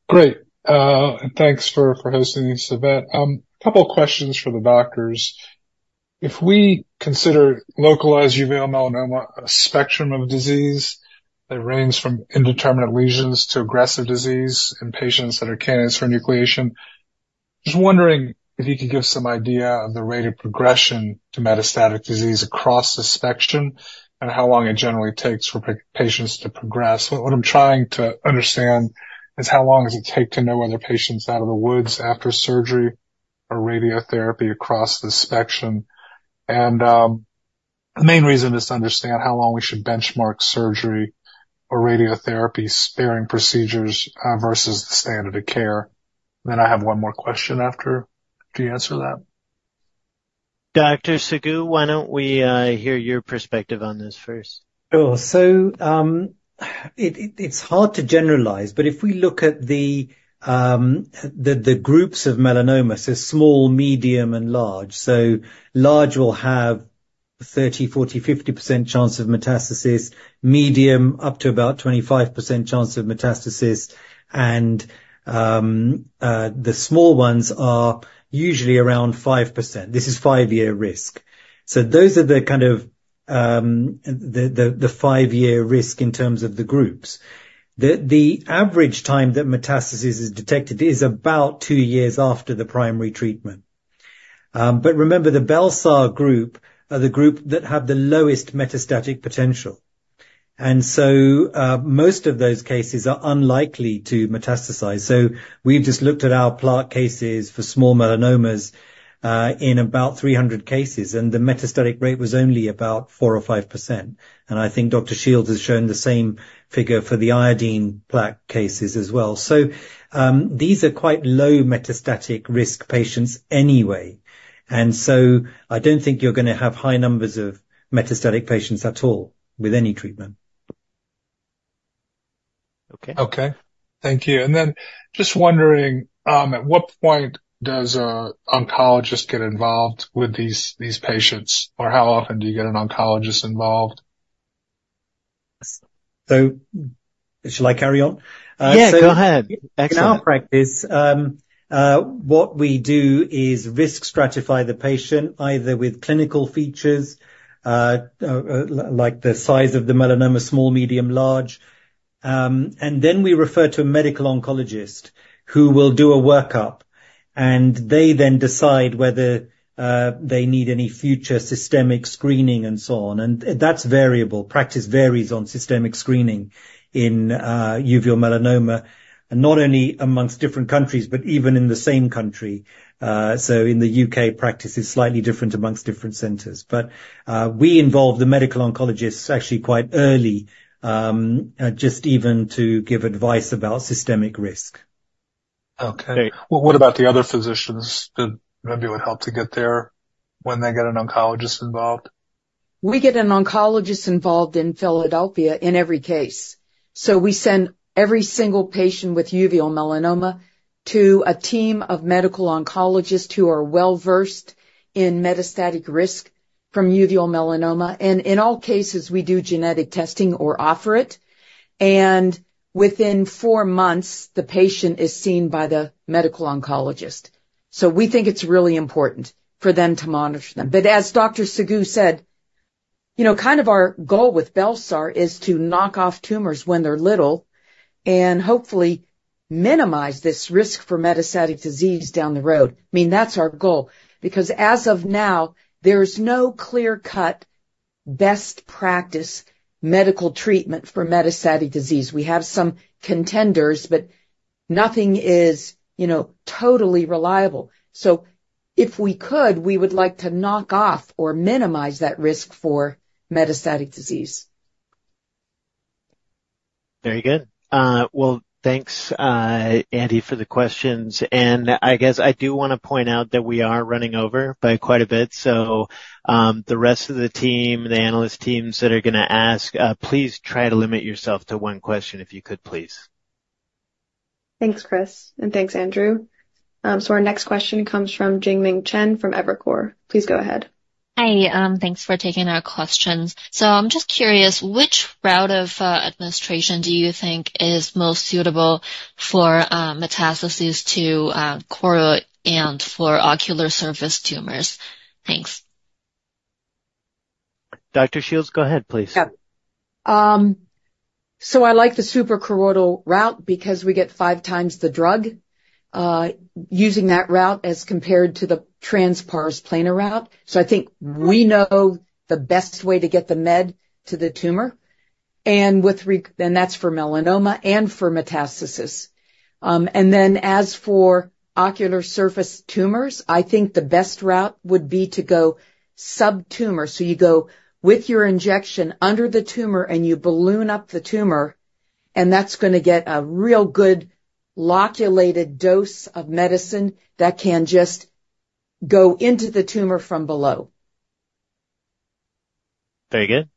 [SPEAKER 3] Great. And thanks for hosting this event. A couple of questions for the doctors. ...
[SPEAKER 10] If we consider localized uveal melanoma a spectrum of disease that ranges from indeterminate lesions to aggressive disease in patients that are candidates for enucleation, just wondering if you could give some idea of the rate of progression to metastatic disease across the spectrum and how long it generally takes for patients to progress. What I'm trying to understand is how long does it take to know whether patients out of the woods after surgery or radiotherapy across the spectrum? And the main reason is to understand how long we should benchmark surgery or radiotherapy sparing procedures versus the standard of care. Then I have one more question after you answer that.
[SPEAKER 4] Dr. Seguin, why don't we hear your perspective on this first?
[SPEAKER 5] Sure. So, it's hard to generalize, but if we look at the groups of melanomas, so small, medium, and large. So large will have 30, 40, 50% chance of metastasis, medium up to about 25% chance of metastasis, and the small ones are usually around 5%. This is 5-year risk. So those are the kind of the 5-year risk in terms of the groups. The average time that metastasis is detected is about 2 years after the primary treatment. But remember, the Bel-sar group are the group that have the lowest metastatic potential, and so most of those cases are unlikely to metastasize. So we've just looked at our plaque cases for small melanomas, in about 300 cases, and the metastatic rate was only about 4 or 5%. I think Dr. Shields has shown the same figure for the iodine plaque cases as well. These are quite low metastatic risk patients anyway, and so I don't think you're gonna have high numbers of metastatic patients at all with any treatment.
[SPEAKER 4] Okay.
[SPEAKER 10] Okay, thank you. Just wondering, at what point does an oncologist get involved with these patients, or how often do you get an oncologist involved?
[SPEAKER 5] Shall I carry on?
[SPEAKER 4] Yeah, go ahead. Excellent.
[SPEAKER 5] In our practice, what we do is risk stratify the patient, either with clinical features, like the size of the melanoma, small, medium, large. And then we refer to a medical oncologist who will do a workup, and they then decide whether they need any future systemic screening and so on. And that's variable. Practice varies on systemic screening in uveal melanoma, and not only among different countries, but even in the same country. So in the U.K., practice is slightly different among different centers. But we involve the medical oncologist actually quite early, just even to give advice about systemic risk.
[SPEAKER 9] Okay. Well, what about the other physicians that maybe would help to get there when they get an oncologist involved?
[SPEAKER 3] We get an oncologist involved in Philadelphia in every case. So we send every single patient with uveal melanoma to a team of medical oncologists who are well-versed in metastatic risk from uveal melanoma. And in all cases, we do genetic testing or offer it, and within four months, the patient is seen by the medical oncologist. So we think it's really important for them to monitor them. But as Dr. Shields said, you know, kind of our goal with Bel-sar is to knock off tumors when they're little and hopefully minimize this risk for metastatic disease down the road. I mean, that's our goal, because as of now, there's no clear-cut, best practice medical treatment for metastatic disease. We have some contenders, but nothing is, you know, totally reliable. So if we could, we would like to knock off or minimize that risk for metastatic disease.
[SPEAKER 4] Very good. Well, thanks, Andy, for the questions, and I guess I do wanna point out that we are running over by quite a bit. So, the rest of the team, the analyst teams that are gonna ask, please try to limit yourself to one question if you could, please.
[SPEAKER 1] Thanks, Chris, and thanks, Andrew. So our next question comes from Jingming Chen from Evercore. Please go ahead.
[SPEAKER 11] Hi. Thanks for taking our questions. So I'm just curious, which route of administration do you think is most suitable for metastasis to choroid and for ocular surface tumors? Thanks.
[SPEAKER 4] Dr. Shields, go ahead, please.
[SPEAKER 3] Yeah. So I like the suprachoroidal route because we get five times the drug using that route as compared to the trans pars plana route. So I think we know the best way to get the med to the tumor, and that's for melanoma and for metastasis. And then as for ocular surface tumors, I think the best route would be to go subtumor. So you go with your injection under the tumor, and you balloon up the tumor, and that's gonna get a real good loculated dose of medicine that can just go into the tumor from below.
[SPEAKER 4] Very good.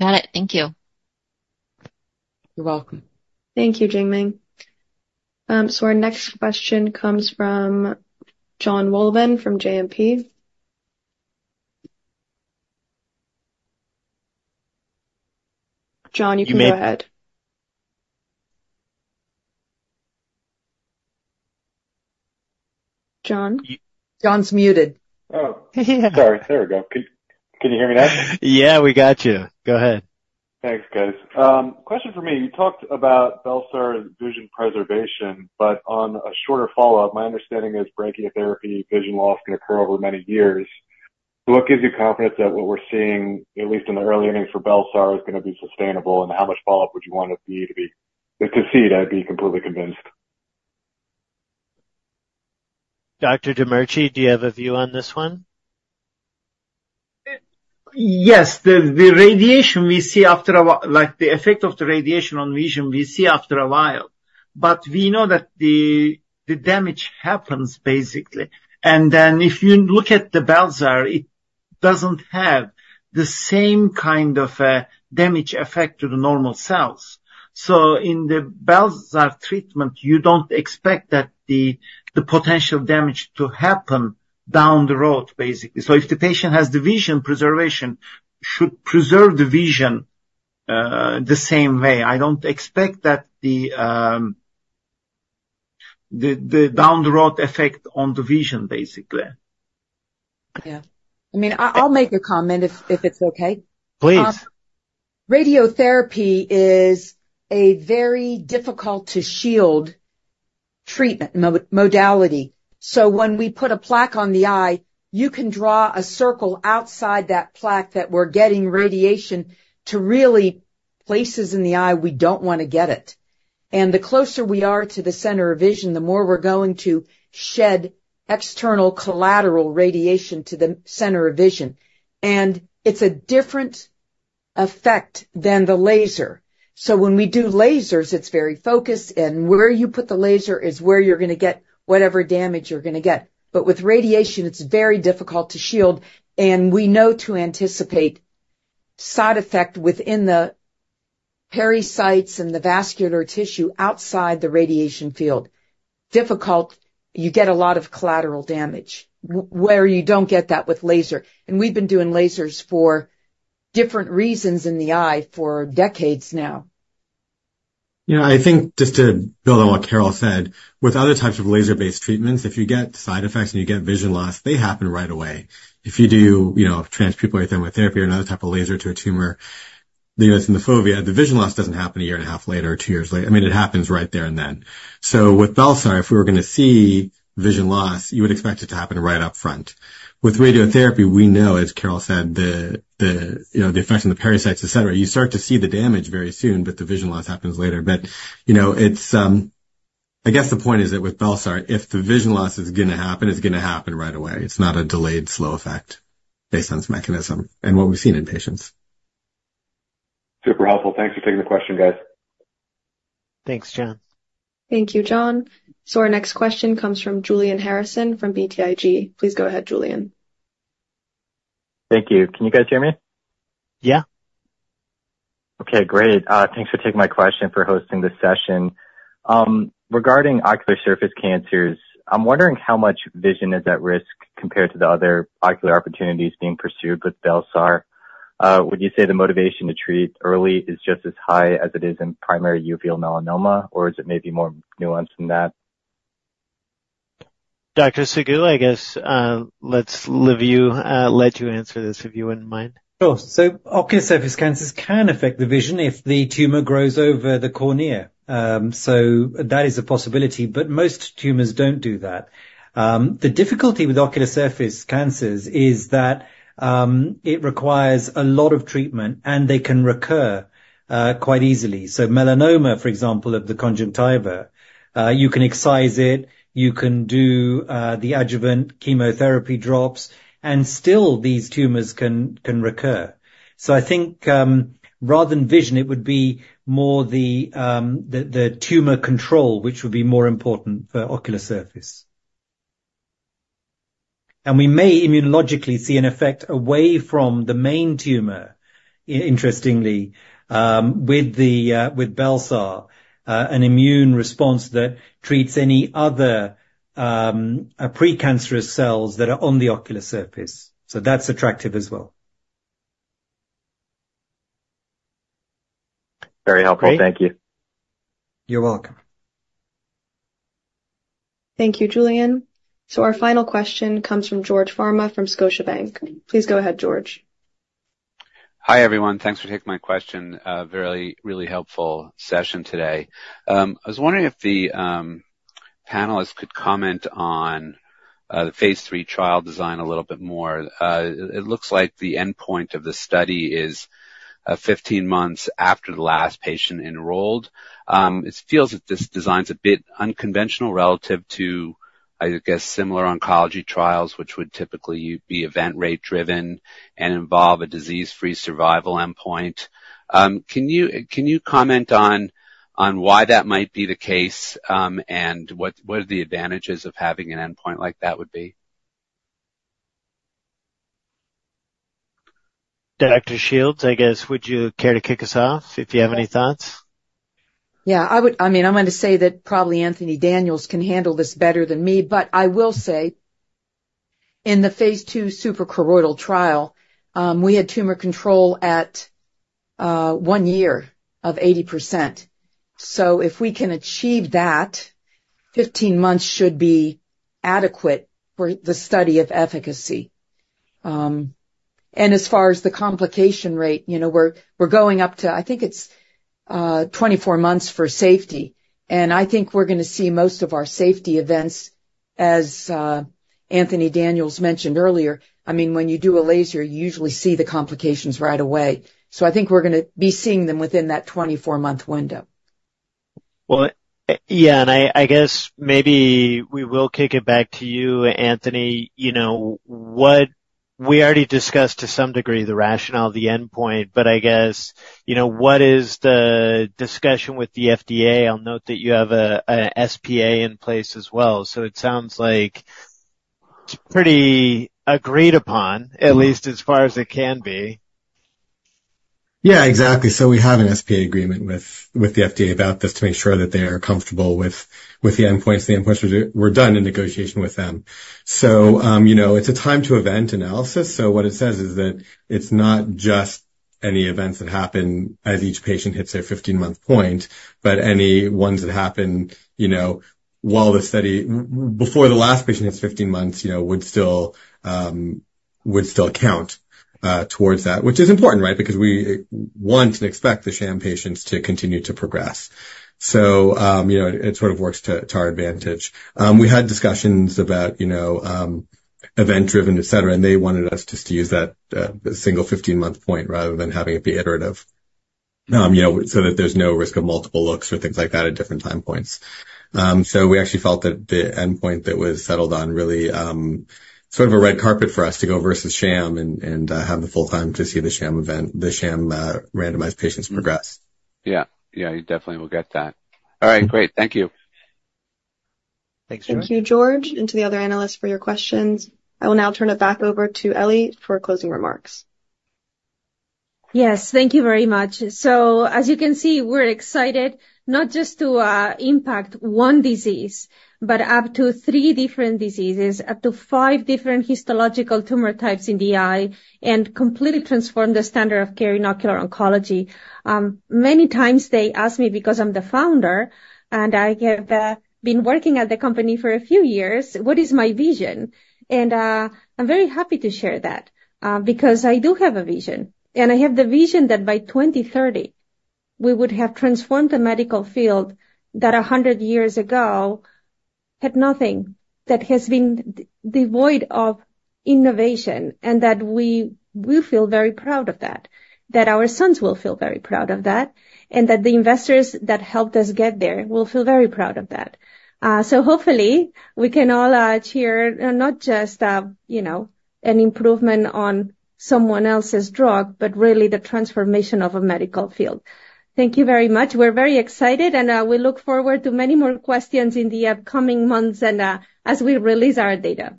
[SPEAKER 11] Got it. Thank you.
[SPEAKER 3] You're welcome.
[SPEAKER 1] Thank you, Jingming. So our next question comes from Jonathan Wolleben from JMP....
[SPEAKER 9] John, you can go ahead. John?
[SPEAKER 3] John's muted.
[SPEAKER 12] Oh, sorry. There we go. Can you hear me now?
[SPEAKER 4] Yeah, we got you. Go ahead.
[SPEAKER 12] Thanks, guys. Question for me. You talked about bel-sar and vision preservation, but on a shorter follow-up, my understanding is brachytherapy vision loss can occur over many years. So what gives you confidence that what we're seeing, at least in the early innings for bel-sar, is gonna be sustainable, and how much follow-up would you want to see to be completely convinced?
[SPEAKER 4] Dr. Demirci, do you have a view on this one?
[SPEAKER 7] Yes. The radiation we see after a while—like, the effect of the radiation on vision, we see after a while, but we know that the damage happens, basically. And then, if you look at the bel-sar, it doesn't have the same kind of damage effect to the normal cells. So, in the bel-sar treatment, you don't expect that the potential damage to happen down the road, basically. So if the patient has the vision preservation, should preserve the vision the same way. I don't expect that the down the road effect on the vision, basically.
[SPEAKER 3] Yeah. I mean, I'll make a comment if it's okay.
[SPEAKER 4] Please.
[SPEAKER 3] Radiotherapy is a very difficult to shield treatment modality. So when we put a plaque on the eye, you can draw a circle outside that plaque that we're getting radiation to really places in the eye we don't want to get it. And the closer we are to the center of vision, the more we're going to shed external collateral radiation to the center of vision. And it's a different effect than the laser. So when we do lasers, it's very focused, and where you put the laser is where you're gonna get whatever damage you're gonna get. But with radiation, it's very difficult to shield, and we know to anticipate side effect within the pericytes and the vascular tissue outside the radiation field. Difficult, you get a lot of collateral damage, where you don't get that with laser. We've been doing lasers for different reasons in the eye for decades now.
[SPEAKER 6] You know, I think just to build on what Carol said, with other types of laser-based treatments, if you get side effects and you get vision loss, they happen right away. If you do, you know, transpupillary thermotherapy or another type of laser to a tumor, you know, it's in the fovea, the vision loss doesn't happen a year and a half later, or two years later. I mean, it happens right there and then. So with Bel-sar, if we were gonna see vision loss, you would expect it to happen right up front. With radiotherapy, we know, as Carol said, the, you know, the effects on the pericytes, et cetera, you start to see the damage very soon, but the vision loss happens later. But, you know, it's... I guess the point is that with Bel-sar, if the vision loss is gonna happen, it's gonna happen right away. It's not a delayed, slow effect based on this mechanism and what we've seen in patients.
[SPEAKER 12] Super helpful. Thanks for taking the question, guys.
[SPEAKER 4] Thanks, John.
[SPEAKER 9] Thank you, John. Our next question comes from Julian Harrison from BTIG. Please go ahead, Julian.
[SPEAKER 13] Thank you. Can you guys hear me?
[SPEAKER 4] Yeah.
[SPEAKER 13] Okay, great. Thanks for taking my question and for hosting this session. Regarding ocular surface cancers, I'm wondering how much vision is at risk compared to the other ocular opportunities being pursued with Bel-sar. Would you say the motivation to treat early is just as high as it is in primary uveal melanoma, or is it maybe more nuanced than that?
[SPEAKER 4] Dr. Segil, I guess, let's let you answer this, if you wouldn't mind.
[SPEAKER 5] Sure. So, ocular surface cancers can affect the vision if the tumor grows over the cornea. So that is a possibility, but most tumors don't do that. The difficulty with ocular surface cancers is that it requires a lot of treatment, and they can recur quite easily. So melanoma, for example, of the conjunctiva, you can excise it, you can do the adjuvant chemotherapy drops, and still these tumors can recur. So I think rather than vision, it would be more the tumor control, which would be more important for ocular surface. And we may immunologically see an effect away from the main tumor, interestingly, with Bel-sar, an immune response that treats any other precancerous cells that are on the ocular surface. So that's attractive as well.
[SPEAKER 13] Very helpful.
[SPEAKER 5] Great.
[SPEAKER 13] Thank you.
[SPEAKER 5] You're welcome.
[SPEAKER 9] Thank you, Julian. So our final question comes from George Farmer, from Scotiabank. Please go ahead, George.
[SPEAKER 3] Hi, everyone. Thanks for taking my question. A very really helpful session today. I was wondering if the panelist could comment on the phase 3 trial design a little bit more. It looks like the endpoint of the study is 15 months after the last patient enrolled. It feels that this design's a bit unconventional relative to, I guess, similar oncology trials, which would typically you'd be event rate driven and involve a disease-free survival endpoint. Can you comment on why that might be the case, and what are the advantages of having an endpoint like that would be?
[SPEAKER 4] Dr. Shields, I guess, would you care to kick us off if you have any thoughts?
[SPEAKER 3] Yeah, I would. I mean, I'm going to say that probably Anthony Daniels can handle this better than me, but I will say in the phase 2 suprachoroidal trial, we had tumor control at one year of 80%. So if we can achieve that, 15 months should be adequate for the study of efficacy. And as far as the complication rate, you know, we're going up to I think it's 24 months for safety, and I think we're gonna see most of our safety events, as Anthony Daniels mentioned earlier. I mean, when you do a laser, you usually see the complications right away. So, I think we're gonna be seeing them within that 24-month window.
[SPEAKER 4] Well, yeah, and I, I guess maybe we will kick it back to you, Anthony. You know, what... We already discussed to some degree the rationale of the endpoint, but I guess, you know, what is the discussion with the FDA? I'll note that you have a, an SPA in place as well, so it sounds like it's pretty agreed upon, at least as far as it can be.
[SPEAKER 6] Yeah, exactly. So, we have an SPA agreement with the FDA about this to make sure that they are comfortable with the endpoints. The endpoints were done in negotiation with them. So, you know, it's a time-to-event analysis, so what it says is that it's not just any events that happen as each patient hits a 15-month point, but any ones that happen, you know, while the study before the last patient hits 15 months, you know, would still count towards that. Which is important, right? Because we want and expect the sham patients to continue to progress. So, you know, it sorts of works to our advantage. We had discussions about, you know, event-driven, et cetera, and they wanted us just to use that single 15-month point rather than having it be iterative. You know, so that there's no risk of multiple looks or things like that at different time points. So, we actually felt that the endpoint that was settled on really sort of a red carpet for us to go versus sham and have the full time to see the sham event, the sham randomized patient's progress.
[SPEAKER 4] Yeah. Yeah, you definitely will get that. All right, great. Thank you.
[SPEAKER 6] Thanks, George.
[SPEAKER 1] Thank you, George, and to the other analysts for your questions. I will now turn it back over to Ellie for closing remarks.
[SPEAKER 2] Yes, thank you very much. So, as you can see, we're excited not just to impact 1 disease, but up to 3 different diseases, up to 5 different histological tumor types in the eye and completely transform the standard of care in ocular oncology. Many times, they ask me, because I'm the founder, and I have been working at the company for a few years, what is my vision? And I'm very happy to share that, because I do have a vision, and I have the vision that by 2030, we would have transformed the medical field that 100 years ago had nothing, that has been devoid of innovation, and that we will feel very proud of that, that our sons will feel very proud of that, and that the investors that helped us get there will feel very proud of that. Hopefully, we can all cheer not just, you know, an improvement on someone else's drug, but really the transformation of a medical field. Thank you very much. We're very excited, and we look forward to many more questions in the upcoming months and as we release our data.